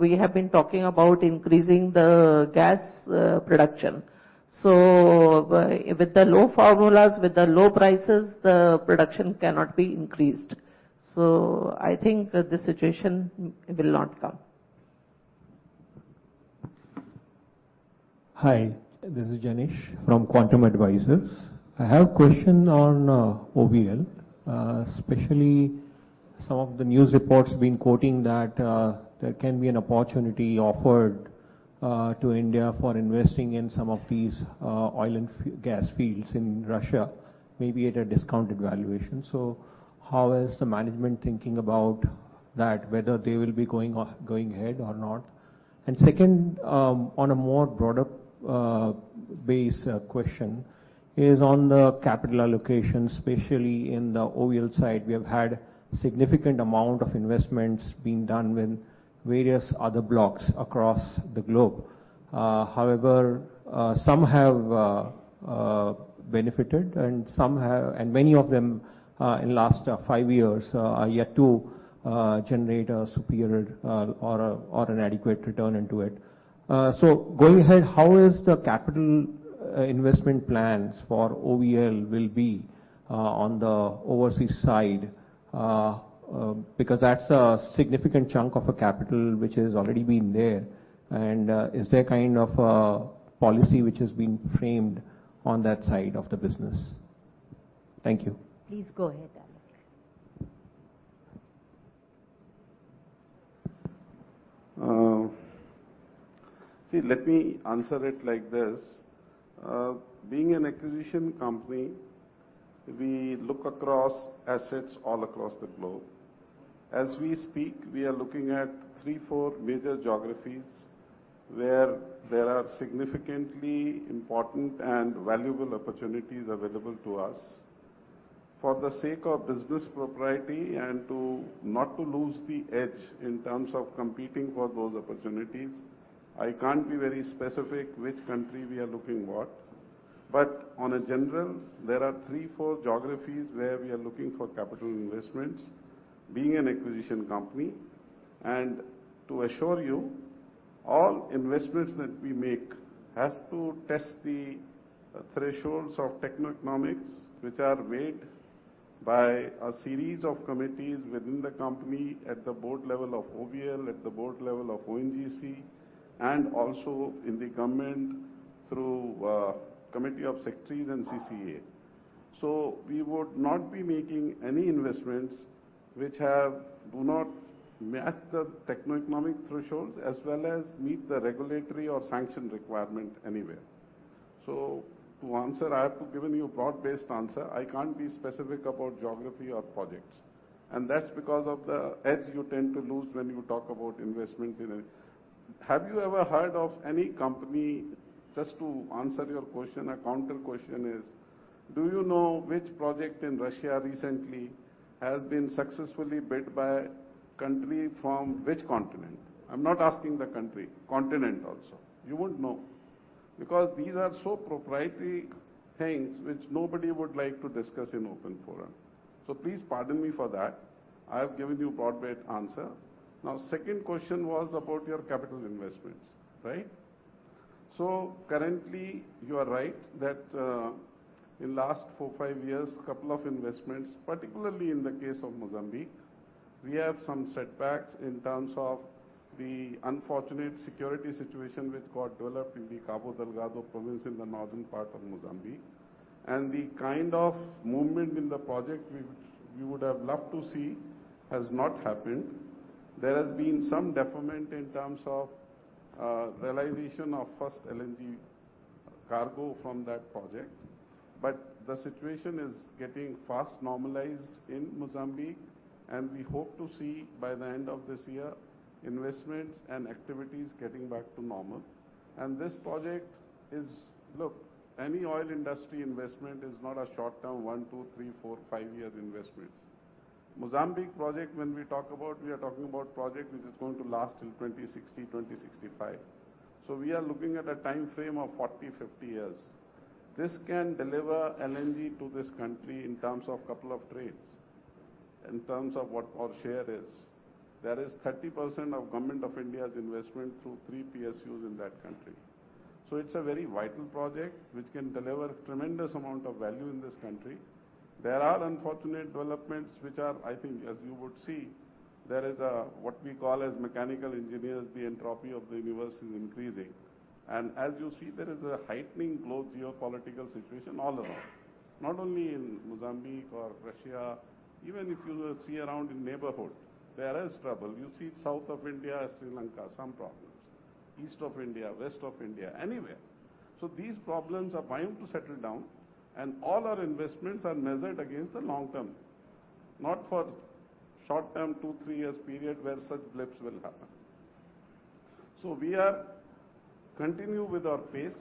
we have been talking about increasing the gas production. With the low formulas, with the low prices, the production cannot be increased. I think this situation will not come. Hi, this is Janesh from Quantum Advisors. I have a question on OVL, especially some of the news reports been quoting that there can be an opportunity offered to India for investing in some of these oil and gas fields in Russia, maybe at a discounted valuation. How is the management thinking about that, whether they will be going or going ahead or not? Second, on a more broader base question is on the capital allocation, especially in the OVL side, we have had significant amount of investments being done with various other blocks across the globe. However, some have benefited and many of them in last five years are yet to generate a superior or an adequate return into it. Going ahead, how is the capital investment plans for OVL will be on the overseas side? Because that's a significant chunk of a capital which has already been there. Is there kind of a policy which has been framed on that side of the business? Thank you. Please go ahead, Alok. See, let me answer it like this. Being an acquisition company, we look across assets all across the globe. As we speak, we are looking at 3-4 major geographies where there are significantly important and valuable opportunities available to us. For the sake of business propriety and to not lose the edge in terms of competing for those opportunities, I can't be very specific which country we are looking what. But in general, there are 3-4 geographies where we are looking for capital investments, being an acquisition company. To assure you, all investments that we make have to test the thresholds of techno-economics, which are made by a series of committees within the company at the board level of OVL, at the board level of ONGC, and also in the government through committee of secretaries and CCA. We would not be making any investments which do not match the techno-economic thresholds as well as meet the regulatory or sanction requirement anywhere. To answer, I have to give you a broad-based answer. I can't be specific about geography or projects, and that's because of the edge you tend to lose when you talk about investments in it. Have you ever heard of any company, just to answer your question, a counter question is, do you know which project in Russia recently has been successfully bid by country from which continent? I'm not asking the country, continent also. You won't know. Because these are so proprietary things which nobody would like to discuss in open forum. Please pardon me for that. I have given you broad-based answer. Now, second question was about your capital investments, right? Currently, you are right that, in last four, five years, couple of investments, particularly in the case of Mozambique, we have some setbacks in terms of the unfortunate security situation which got developed in the Cabo Delgado province in the northern part of Mozambique. The kind of movement in the project which we would have loved to see has not happened. There has been some deferment in terms of realization of first LNG cargo from that project. The situation is getting fast normalized in Mozambique, and we hope to see by the end of this year, investments and activities getting back to normal. This project is. Look, any oil industry investment is not a short-term one, two, three, four, five-year investments. Mozambique project, when we talk about, we are talking about project which is going to last till 2060, 2065. We are looking at a timeframe of 40, 50 years. This can deliver LNG to this country in terms of couple of trains, in terms of what our share is. There is 30% of Government of India's investment through three PSUs in that country. It's a very vital project which can deliver tremendous amount of value in this country. There are unfortunate developments which are, I think as you would see, there is a, what we call as mechanical engineers, the entropy of the universe is increasing. As you see, there is a heightening global geopolitical situation all around, not only in Mozambique or Russia, even if you see around in neighborhood, there is trouble. You see south of India, Sri Lanka, some problems. East of India, west of India, anywhere. These problems are vying to settle down, and all our investments are measured against the long term, not for short-term, two, three years period, where such blips will happen. We are continue with our pace.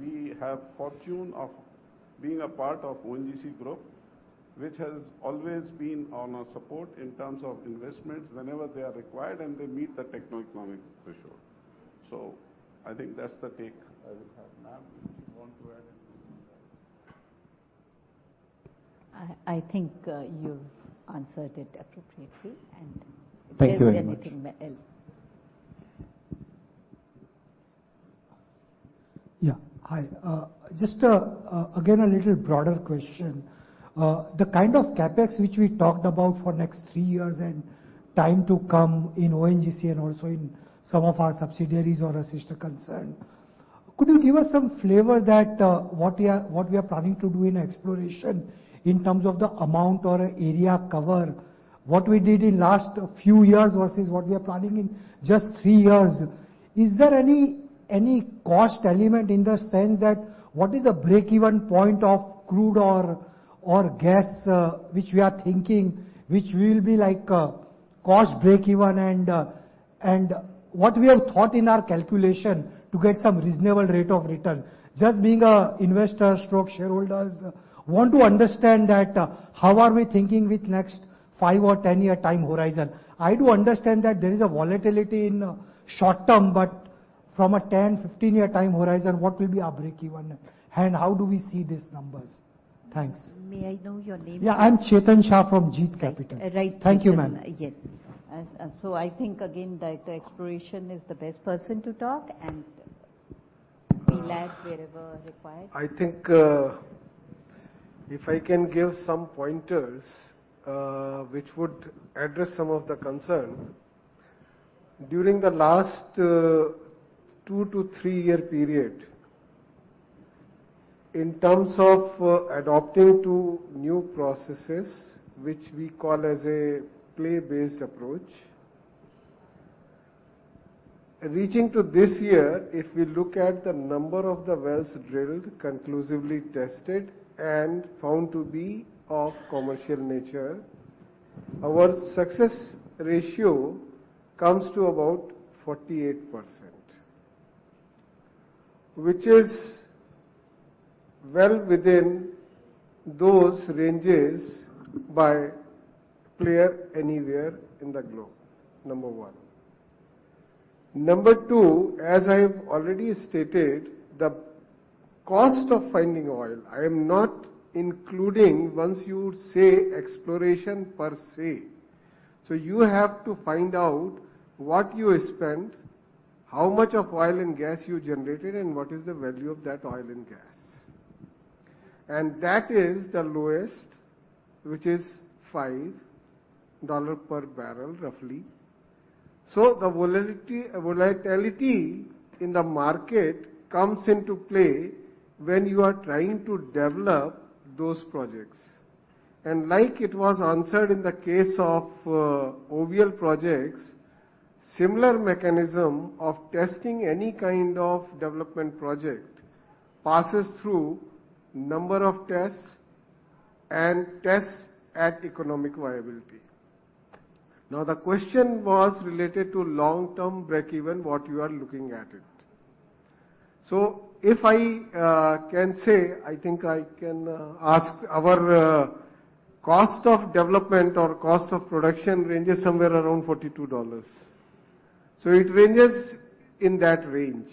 We have fortune of being a part of ONGC group, which has always been on our support in terms of investments whenever they are required, and they meet the techno-economic threshold. I think that's the take I would have. Ma'am, would you want to add anything on that? I think you've answered it appropriately. Thank you very much. There isn't anything else. Yeah. Hi. Just again, a little broader question. The kind of CapEx which we talked about for next three years and time to come in ONGC and also in some of our subsidiaries or a sister concern, could you give us some flavor that what we are planning to do in exploration in terms of the amount or area cover? What we did in last few years versus what we are planning in just three years? Is there any cost element in the sense that what is the break-even point of crude or gas which we are thinking, which will be like a cost break even, and what we have thought in our calculation to get some reasonable rate of return? Just being an investor/shareholder, want to understand that how we are thinking with next 5 or 10-year time horizon. I do understand that there is a volatility in short term, but from a 10, 15-year time horizon, what will be our breakeven and how do we see these numbers? Thanks. May I know your name? Yeah. I'm Chetan Shah from Jeet Capital. Right. Chetan Thank you, ma'am. Yes. I think, again, the exploration is the best person to talk and he'll add wherever required. I think, if I can give some pointers, which would address some of the concern. During the last 2-3-year period, in terms of adapting to new processes, which we call as a play-based approach, right up to this year, if we look at the number of the wells drilled, conclusively tested, and found to be of commercial nature, our success ratio comes to about 48%, which is well within those ranges by any player anywhere in the globe. Number one. Number two, as I have already stated, the cost of finding oil, I am not including once you say exploration per se. So you have to find out what you spent, how much of oil and gas you generated, and what is the value of that oil and gas. That is the lowest, which is $5 per barrel, roughly. The volatility in the market comes into play when you are trying to develop those projects. Like it was answered in the case of OVL projects, similar mechanism of testing any kind of development project passes through number of tests and tests at economic viability. Now, the question was related to long-term breakeven, what you are looking at it. If I can say, I think I can say our cost of development or cost of production ranges somewhere around $42. It ranges in that range.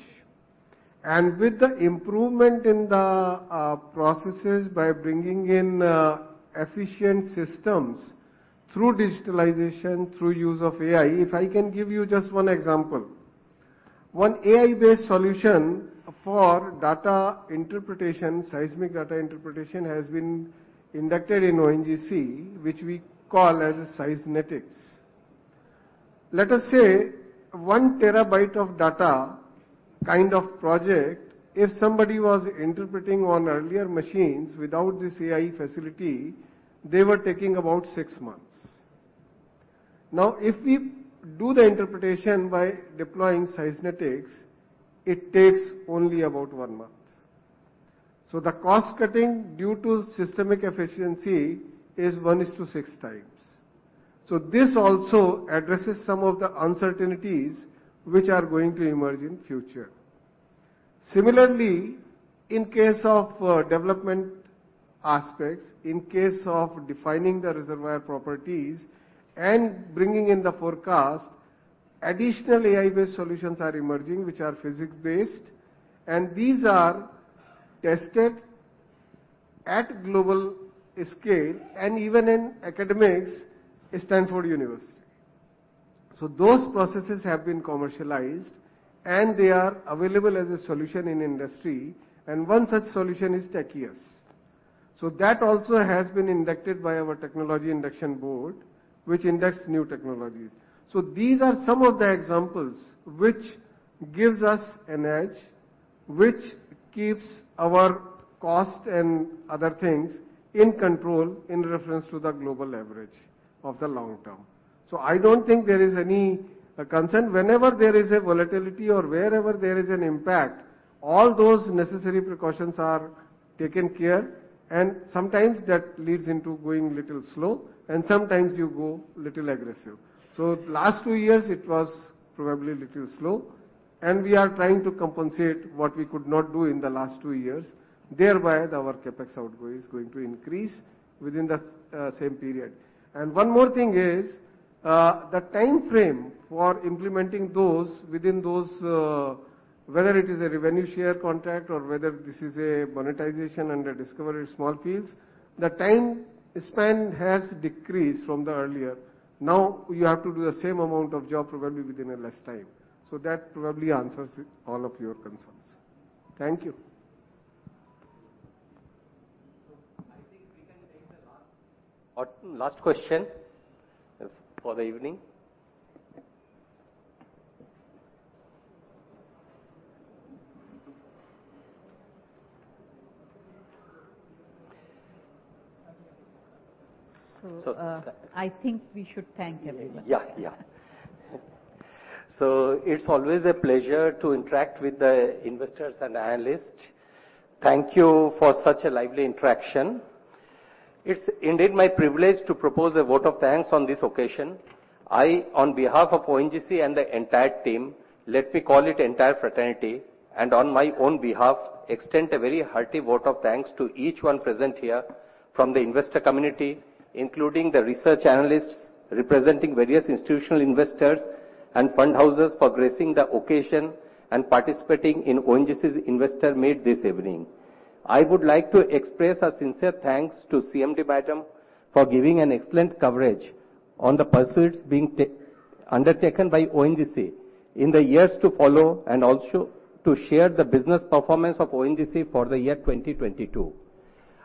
With the improvement in the processes by bringing in efficient systems through digitization, through use of AI, if I can give you just one example. One AI-based solution for data interpretation, seismic data interpretation, has been inducted in ONGC, which we call as Seismetics. Let us say 1 TB of data kind of project, if somebody was interpreting on earlier machines without this AI facility, they were taking about 6 months. Now, if we do the interpretation by deploying Seismetics, it takes only about one month. The cost cutting due to systemic efficiency is 1 to 6 times. This also addresses some of the uncertainties which are going to emerge in future. Similarly, in case of development aspects, in case of defining the reservoir properties and bringing in the forecast, additional AI-based solutions are emerging, which are physics-based, and these are tested at global scale and even in academics at Stanford University. Those processes have been commercialized, and they are available as a solution in industry, and one such solution is Techios. That also has been inducted by our technology induction board, which inducts new technologies. These are some of the examples which gives us an edge, which keeps our cost and other things in control in reference to the global average of the long term. I don't think there is any concern. Whenever there is a volatility or wherever there is an impact, all those necessary precautions are taken care, and sometimes that leads into going little slow, and sometimes you go little aggressive. Last two years, it was probably a little slow, and we are trying to compensate what we could not do in the last two years. Thereby, our CapEx outflow is going to increase within the same period. One more thing is, the timeframe for implementing those within those, whether it is a revenue share contract or whether this is a monetization under discovery small fields, the time spent has decreased from the earlier. Now, you have to do the same amount of job probably within a less time. That probably answers all of your concerns. Thank you. I think we can take the last question for the evening. I think we should thank everyone. Yeah. It's always a pleasure to interact with the investors and analysts. Thank you for such a lively interaction. It's indeed my privilege to propose a vote of thanks on this occasion. I, on behalf of ONGC and the entire team, let me call it entire fraternity, and on my own behalf, extend a very hearty vote of thanks to each one present here from the investor community, including the research analysts representing various institutional investors and fund houses for gracing the occasion and participating in ONGC's investor meet this evening. I would like to express our sincere thanks to CMD Madam for giving an excellent coverage on the pursuits being undertaken by ONGC in the years to follow and also to share the business performance of ONGC for the year 2022.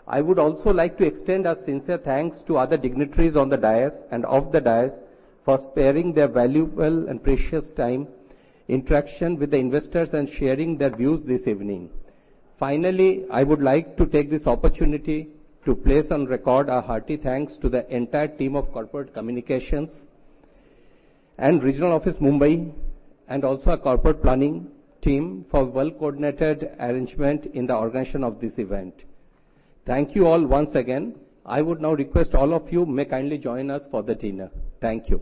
I would also like to extend our sincere thanks to other dignitaries on the dais and off the dais for sparing their valuable and precious time, interaction with the investors and sharing their views this evening. Finally, I would like to take this opportunity to place on record our hearty thanks to the entire team of corporate communications and regional office Mumbai and also our corporate planning team for well-coordinated arrangement in the organization of this event. Thank you all once again. I would now request all of you may kindly join us for the dinner. Thank you.